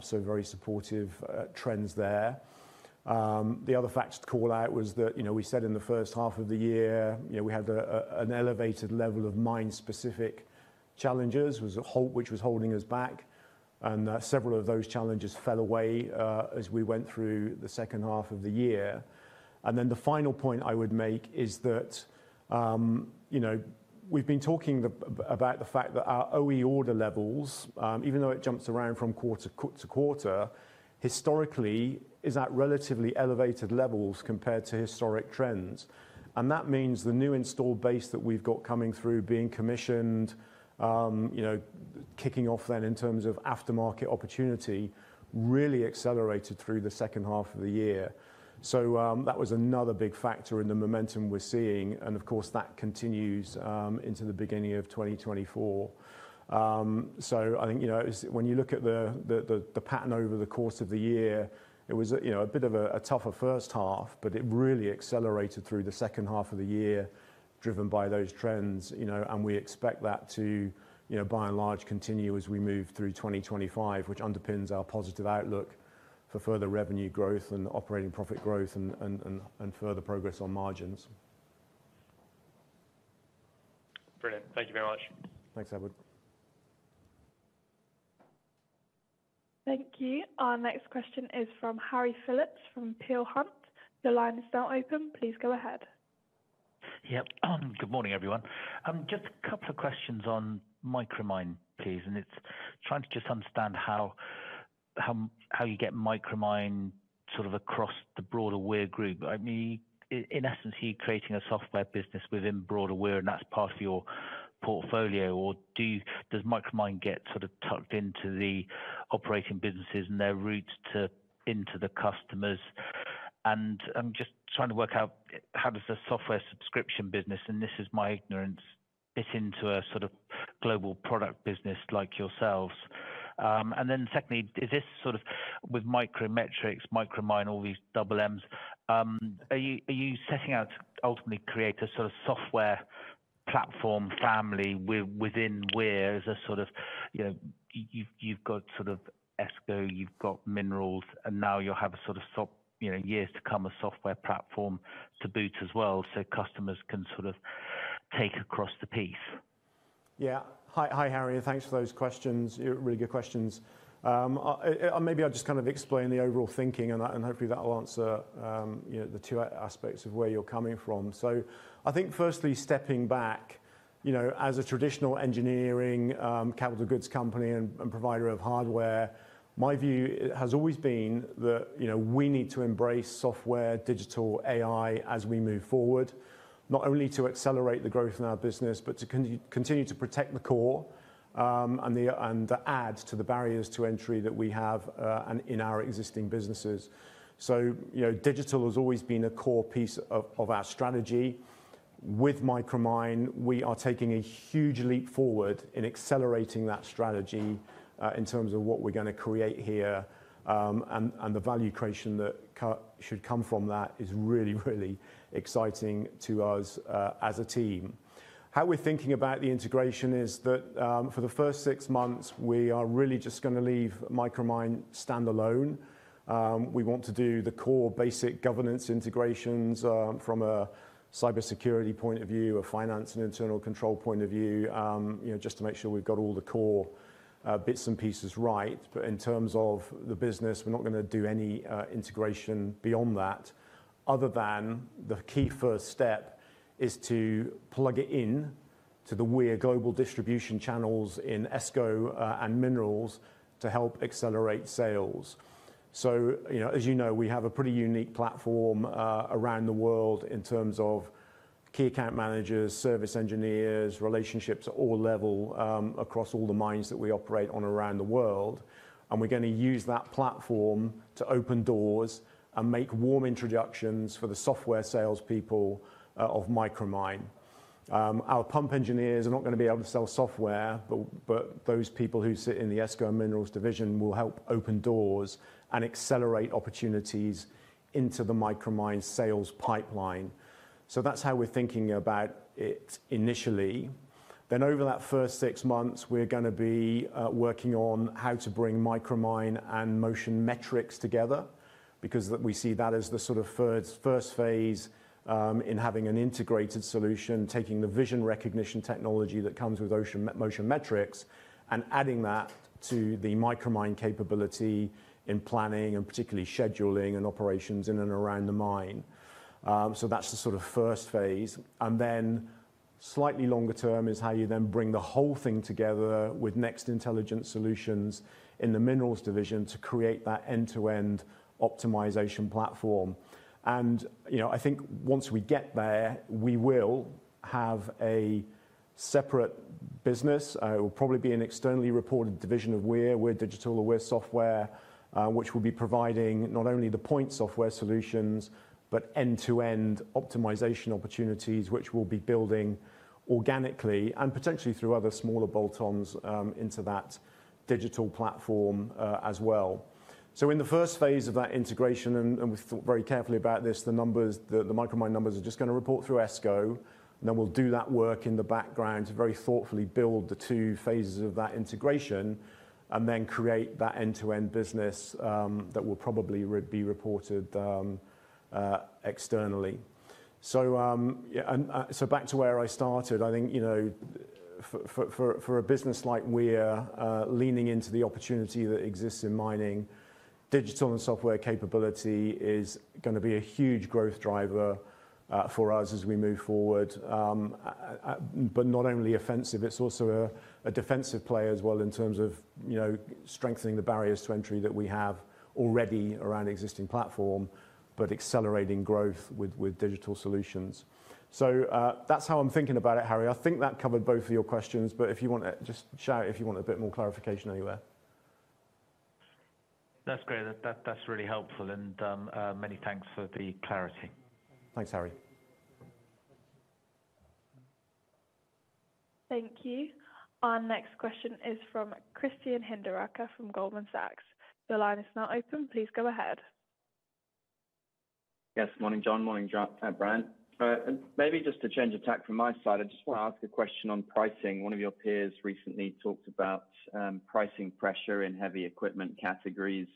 So very supportive trends there. The other facts to call out was that we said in the first half of the year, we had an elevated level of mine-specific challenges, which was holding us back. And several of those challenges fell away as we went through the second half of the year. And then the final point I would make is that we've been talking about the fact that our OE order levels, even though it jumps around from quarter-to-quarter, historically is at relatively elevated levels compared to historic trends. And that means the new installed base that we've got coming through, being commissioned, kicking off then in terms of aftermarket opportunity, really accelerated through the second half of the year. So that was another big factor in the momentum we're seeing. And of course, that continues into the beginning of 2024. So I think when you look at the pattern over the course of the year, it was a bit of a tougher first half, but it really accelerated through the second half of the year, driven by those trends. And we expect that to, by and large, continue as we move through 2025, which underpins our positive outlook for further revenue growth and operating profit growth and further progress on margins. Brilliant. Thank you very much. Thanks, Edward. Thank you. Our next question is from Harry Philips from Peel Hunt. The line is now open. Please go ahead. Yep. Good morning, everyone. Just a couple of questions on Micromine, please. And it's trying to just understand how you get Micromine sort of across the broader Weir Group. I mean, in essence, you're creating a software business within broader Weir, and that's part of your portfolio. Or does Micromine get sort of tucked into the operating businesses and their routes into the customers? And I'm just trying to work out how does the software subscription business, and this is my ignorance, fit into a sort of global product business like yourselves? And then secondly, is this sort of with Motion Metrics, Micromine, all these double Ms, are you setting out to ultimately create a sort of software platform family within Weir as a sort of you've got sort of ESCO, you've got minerals, and now you'll have a sort of years to come a software platform to boot as well so customers can sort of take across the piece? Yeah. Hi, Harry. Thanks for those questions. Really good questions. Maybe I'll just kind of explain the overall thinking, and hopefully that will answer the two aspects of where you're coming from. So I think firstly, stepping back, as a traditional engineering, capital goods company, and provider of hardware, my view has always been that we need to embrace software, digital, AI as we move forward, not only to accelerate the growth in our business, but to continue to protect the core and add to the barriers to entry that we have in our existing businesses. So digital has always been a core piece of our strategy. With Micromine, we are taking a huge leap forward in accelerating that strategy in terms of what we're going to create here. And the value creation that should come from that is really, really exciting to us as a team. How we're thinking about the integration is that for the first six months, we are really just going to leave Micromine standalone. We want to do the core basic governance integrations from a cybersecurity point of view, a finance and internal control point of view, just to make sure we've got all the core bits and pieces right. But in terms of the business, we're not going to do any integration beyond that, other than the key first step is to plug it into the Weir global distribution channels in ESCO and minerals to help accelerate sales. So as you know, we have a pretty unique platform around the world in terms of key account managers, service engineers, relationships at all levels across all the mines that we operate on around the world. And we're going to use that platform to open doors and make warm introductions for the software salespeople of Micromine. Our pump engineers are not going to be able to sell software, but those people who sit in the ESCO and minerals division will help open doors and accelerate opportunities into the Micromine sales pipeline. So that's how we're thinking about it initially. Then over that first six months, we're going to be working on how to bring Micromine and Motion Metrics together because we see that as the sort of first phase in having an integrated solution, taking the vision recognition technology that comes with Motion Metrics and adding that to the Micromine capability in planning and particularly scheduling and operations in and around the mine. So that's the sort of first phase. And then slightly longer term is how you then bring the whole thing together with NEXT Intelligent Solutions in the minerals division to create that end-to-end optimization platform. I think once we get there, we will have a separate business. It will probably be an externally reported division of Weir, Weir Digital or Weir Software, which will be providing not only the point software solutions, but end-to-end optimization opportunities, which we'll be building organically and potentially through other smaller bolt-ons into that digital platform as well. In the first phase of that integration, and we thought very carefully about this, the Micromine numbers are just going to report through ESCO, and then we'll do that work in the background to very thoughtfully build the two phases of that integration and then create that end-to-end business that will probably be reported externally. So back to where I started, I think for a business like Weir, leaning into the opportunity that exists in mining, digital and software capability is going to be a huge growth driver for us as we move forward. But not only offensive, it's also a defensive play as well in terms of strengthening the barriers to entry that we have already around existing platform, but accelerating growth with digital solutions. So that's how I'm thinking about it, Harry. I think that covered both of your questions, but if you want to just shout out a bit more clarification anywhere. That's great. That's really helpful. And many thanks for the clarity. Thanks, Harry. Thank you. Our next question is from Christian Hinderaker from Goldman Sachs. The line is now open. Please go ahead. Yes. Morning, Jon. Morning, Brian. Maybe just to change a tack from my side, I just want to ask a question on pricing. One of your peers recently talked about pricing pressure in heavy equipment categories,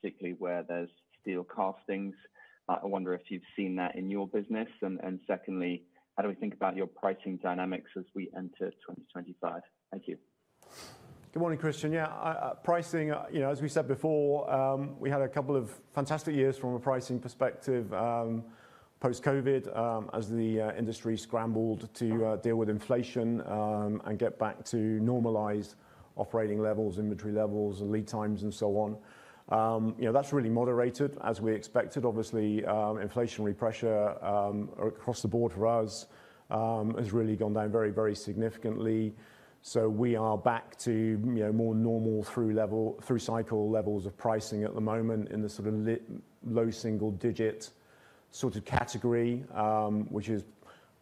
particularly where there's steel castings. I wonder if you've seen that in your business. And secondly, how do we think about your pricing dynamics as we enter 2025? Thank you. Good morning, Christian. Yeah, pricing, as we said before, we had a couple of fantastic years from a pricing perspective post-COVID as the industry scrambled to deal with inflation and get back to normalized operating levels, inventory levels, and lead times, and so on. That's really moderated, as we expected. Obviously, inflationary pressure across the board for us has really gone down very, very significantly. So we are back to more normal through cycle levels of pricing at the moment in the sort of low single-digit sort of category, which is,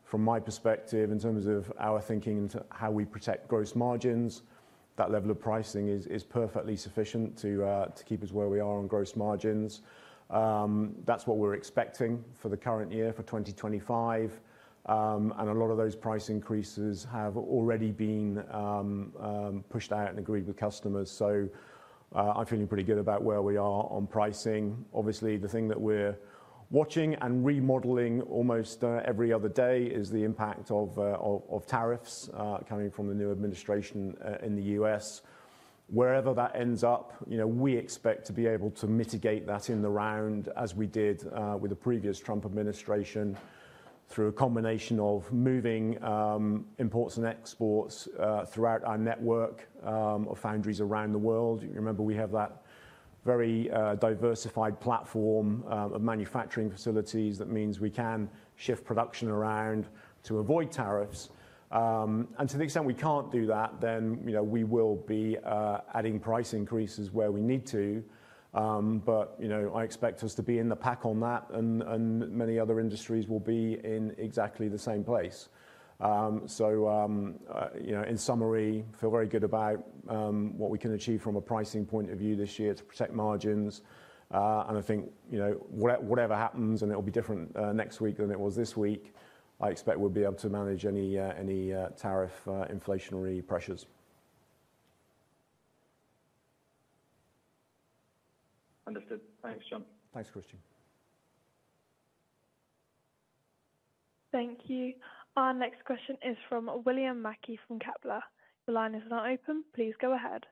from my perspective, in terms of our thinking into how we protect gross margins, that level of pricing is perfectly sufficient to keep us where we are on gross margins. That's what we're expecting for the current year for 2025. And a lot of those price increases have already been pushed out and agreed with customers. So I'm feeling pretty good about where we are on pricing. Obviously, the thing that we're watching and remodeling almost every other day is the impact of tariffs coming from the new administration in the U.S.. Wherever that ends up, we expect to be able to mitigate that in the round as we did with the previous Trump administration through a combination of moving imports and exports throughout our network of foundries around the world. Remember, we have that very diversified platform of manufacturing facilities. That means we can shift production around to avoid tariffs. And to the extent we can't do that, then we will be adding price increases where we need to. But I expect us to be in the pack on that, and many other industries will be in exactly the same place. So in summary, feel very good about what we can achieve from a pricing point of view this year to protect margins. And I think whatever happens, and it will be different next week than it was this week, I expect we'll be able to manage any tariff inflationary pressures. Understood. Thanks, Jon. Thanks, Christian. Thank you. Our next question is from William Mackie from Kepler Cheuvreux. The line is now open. Please go ahead.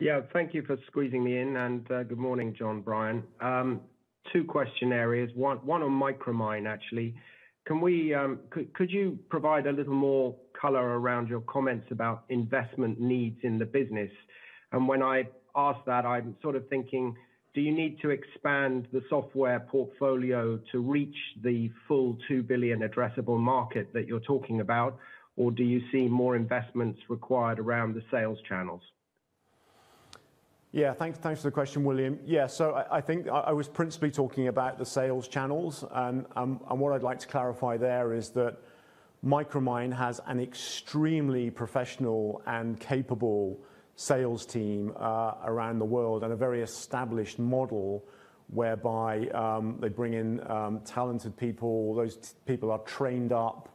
Yeah. Thank you for squeezing me in. And good morning, Jon, Brian. Two questions. One on Micromine, actually. Could you provide a little more color around your comments about investment needs in the business? And when I ask that, I'm sort of thinking, do you need to expand the software portfolio to reach the full 2 billion addressable market that you're talking about, or do you see more investments required around the sales channels? Yeah. Thanks for the question, William. Yeah. So I think I was principally talking about the sales channels. And what I'd like to clarify there is that Micromine has an extremely professional and capable sales team around the world and a very established model whereby they bring in talented people. Those people are trained up.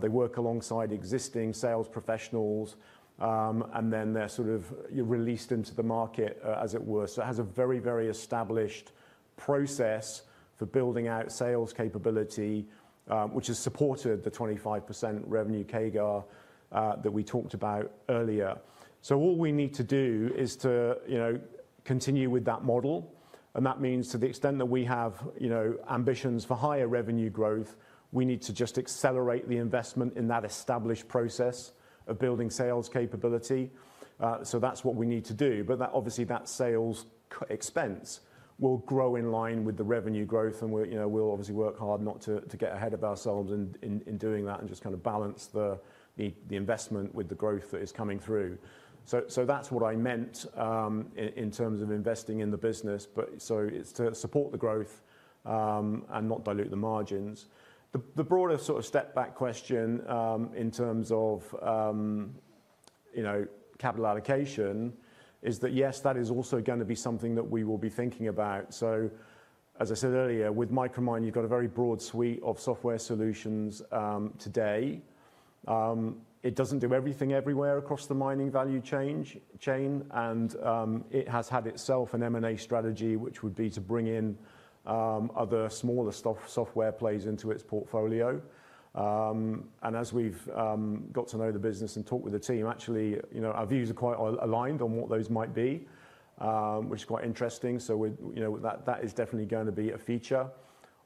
They work alongside existing sales professionals, and then they're sort of released into the market, as it were, so it has a very, very established process for building out sales capability, which has supported the 25% revenue CAGR that we talked about earlier, so all we need to do is to continue with that model, and that means to the extent that we have ambitions for higher revenue growth, we need to just accelerate the investment in that established process of building sales capability, so that's what we need to do, but obviously, that sales expense will grow in line with the revenue growth, and we'll obviously work hard not to get ahead of ourselves in doing that and just kind of balance the investment with the growth that is coming through, so that's what I meant in terms of investing in the business. So it's to support the growth and not dilute the margins. The broader sort of step back question in terms of capital allocation is that, yes, that is also going to be something that we will be thinking about. So as I said earlier, with Micromine, you've got a very broad suite of software solutions today. It doesn't do everything everywhere across the mining value chain. And it has had itself an M&A strategy, which would be to bring in other smaller software plays into its portfolio. And as we've got to know the business and talked with the team, actually, our views are quite aligned on what those might be, which is quite interesting. So that is definitely going to be a feature.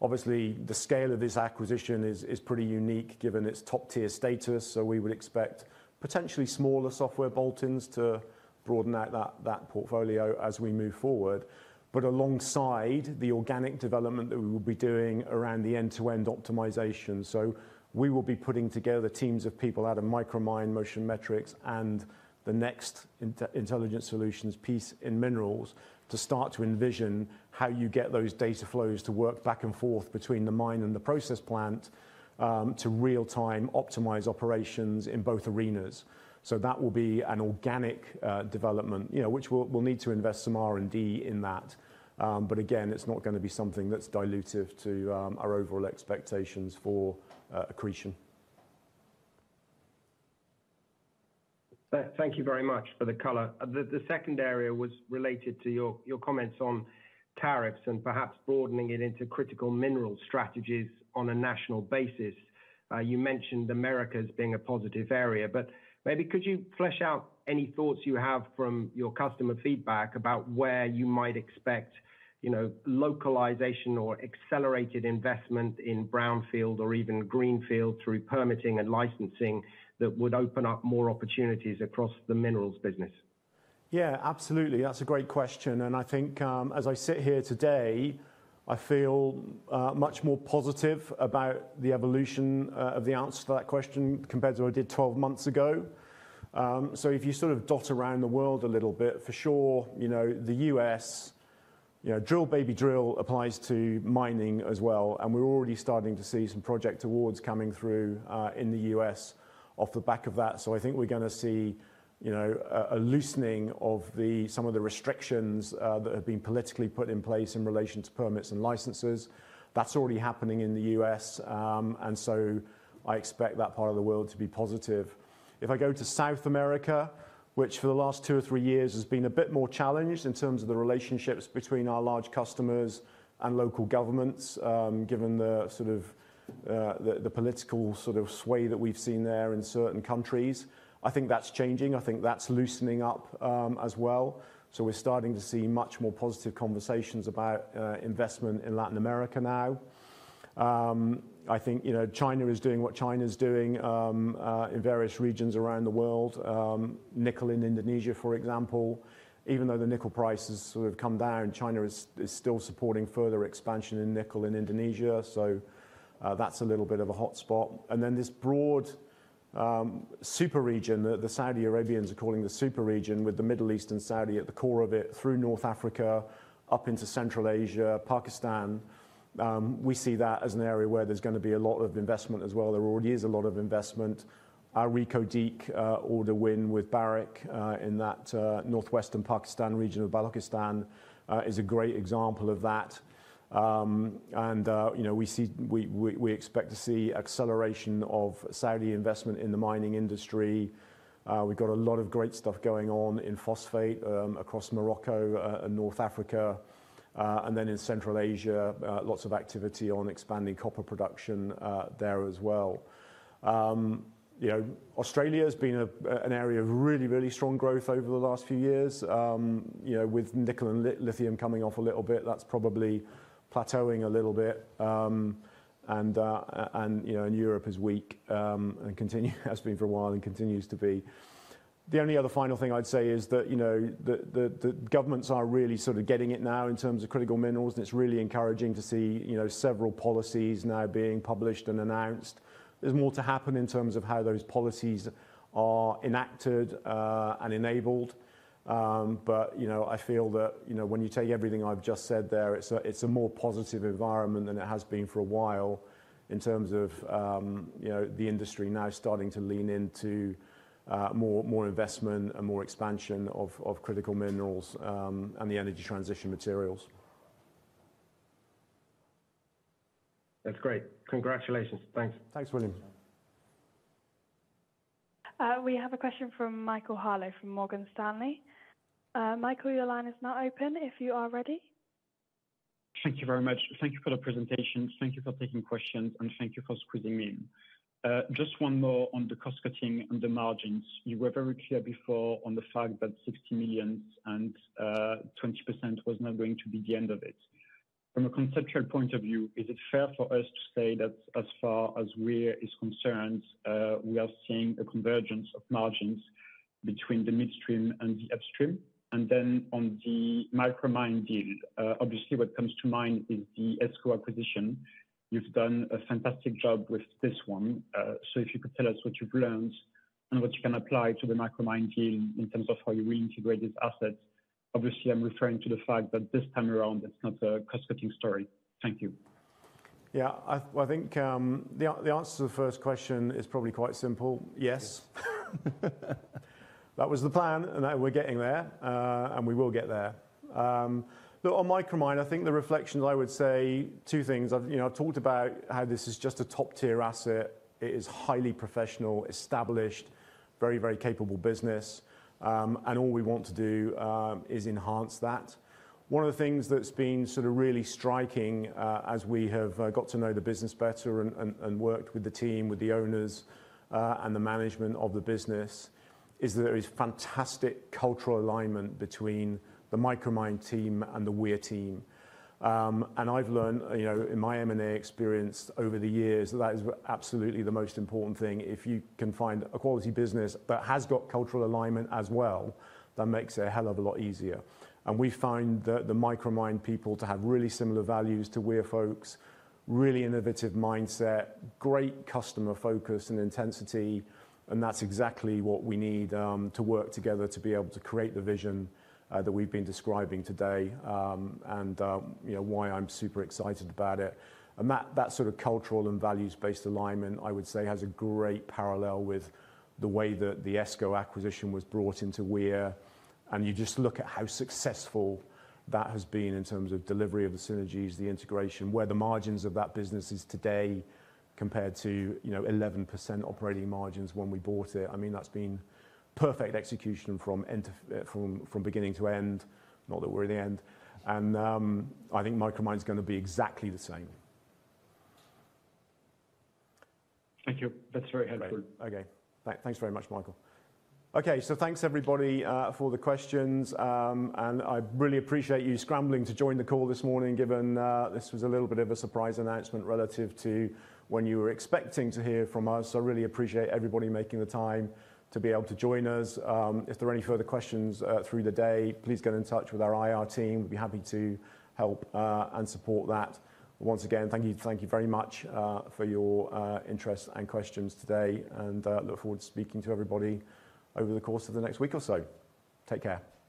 Obviously, the scale of this acquisition is pretty unique given its top-tier status. So we would expect potentially smaller software bolt-ons to broaden out that portfolio as we move forward, but alongside the organic development that we will be doing around the end-to-end optimization. So we will be putting together teams of people out of Micromine, Motion Metrics, and the NEXT Intelligent Solutions piece in minerals to start to envision how you get those data flows to work back and forth between the mine and the process plant to real-time optimize operations in both arenas. So that will be an organic development, which we'll need to invest some R&D in that. But again, it's not going to be something that's dilutive to our overall expectations for accretion. Thank you very much for the color. The second area was related to your comments on tariffs and perhaps broadening it into critical mineral strategies on a national basis. You mentioned America as being a positive area. But maybe could you flesh out any thoughts you have from your customer feedback about where you might expect localization or accelerated investment in brownfield or even greenfield through permitting and licensing that would open up more opportunities across the minerals business? Yeah, absolutely. That's a great question, and I think as I sit here today, I feel much more positive about the evolution of the answer to that question compared to what I did 12 months ago, so if you sort of dot around the world a little bit, for sure, the U.S., drill, baby drill applies to mining as well. And we're already starting to see some project awards coming through in the U.S. off the back of that. So I think we're going to see a loosening of some of the restrictions that have been politically put in place in relation to permits and licenses. That's already happening in the U.S., and so I expect that part of the world to be positive. If I go to South America, which for the last two or three years has been a bit more challenged in terms of the relationships between our large customers and local governments, given the political sort of sway that we've seen there in certain countries, I think that's changing. I think that's loosening up as well. So we're starting to see much more positive conversations about investment in Latin America now. I think China is doing what China is doing in various regions around the world. Nickel in Indonesia, for example. Even though the nickel prices have come down, China is still supporting further expansion in nickel in Indonesia, so that's a little bit of a hotspot. And then this broad super region that the Saudi Arabians are calling the super region with the Middle East and Saudi at the core of it through North Africa, up into Central Asia, Pakistan, we see that as an area where there's going to be a lot of investment as well. There already is a lot of investment. Reko Diq order win with Barrick in that northwestern Pakistan region of Balochistan is a great example of that, and we expect to see acceleration of Saudi investment in the mining industry. We've got a lot of great stuff going on in phosphate across Morocco and North Africa, and then in Central Asia, lots of activity on expanding copper production there as well. Australia has been an area of really, really strong growth over the last few years. With nickel and lithium coming off a little bit, that's probably plateauing a little bit, and Europe is weak and has been for a while and continues to be. The only other final thing I'd say is that the governments are really sort of getting it now in terms of critical minerals, and it's really encouraging to see several policies now being published and announced. There's more to happen in terms of how those policies are enacted and enabled, but I feel that when you take everything I've just said there, it's a more positive environment than it has been for a while in terms of the industry now starting to lean into more investment and more expansion of critical minerals and the energy transition materials. That's great. Congratulations. Thanks. Thanks, William. We have a question from Michaël Harleaux from Morgan Stanley. Michael, your line is now open if you are ready. Thank you very much. Thank you for the presentation. Thank you for taking questions. And thank you for squeezing me in. Just one more on the cost cutting and the margins. You were very clear before on the fact that 60 million and 20% was not going to be the end of it. From a conceptual point of view, is it fair for us to say that as far as we're concerned, we are seeing a convergence of margins between the midstream and the upstream? And then on the Micromine deal, obviously, what comes to mind is the ESCO acquisition. You've done a fantastic job with this one. So if you could tell us what you've learned and what you can apply to the Micromine deal in terms of how you will integrate these assets. Obviously, I'm referring to the fact that this time around, it's not a cost-cutting story. Thank you. Yeah, I think the answer to the first question is probably quite simple. Yes. That was the plan. And we're getting there. And we will get there. Look, on Micromine, I think the reflections, I would say two things. I've talked about how this is just a top-tier asset. It is highly professional, established, very, very capable business. And all we want to do is enhance that. One of the things that's been sort of really striking as we have got to know the business better and worked with the team, with the owners and the management of the business, is that there is fantastic cultural alignment between the Micromine team and the Weir team. And I've learned in my M&A experience over the years that that is absolutely the most important thing. If you can find a quality business that has got cultural alignment as well, that makes it a hell of a lot easier. And we find the Micromine people to have really similar values to Weir folks, really innovative mindset, great customer focus and intensity. And that's exactly what we need to work together to be able to create the vision that we've been describing today and why I'm super excited about it. That sort of cultural and values-based alignment, I would say, has a great parallel with the way that the ESCO acquisition was brought into Weir. You just look at how successful that has been in terms of delivery of the synergies, the integration, where the margins of that business is today compared to 11% operating margins when we bought it. I mean, that's been perfect execution from beginning to end. Not that we're at the end. I think Micromine is going to be exactly the same. Thank you. That's very helpful. Okay. Thanks very much, Michaël. Okay. So thanks, everybody, for the questions. I really appreciate you scrambling to join the call this morning, given this was a little bit of a surprise announcement relative to when you were expecting to hear from us. I really appreciate everybody making the time to be able to join us. If there are any further questions through the day, please get in touch with our IR team. We'd be happy to help and support that. Once again, thank you very much for your interest and questions today. And look forward to speaking to everybody over the course of the next week or so. Take care.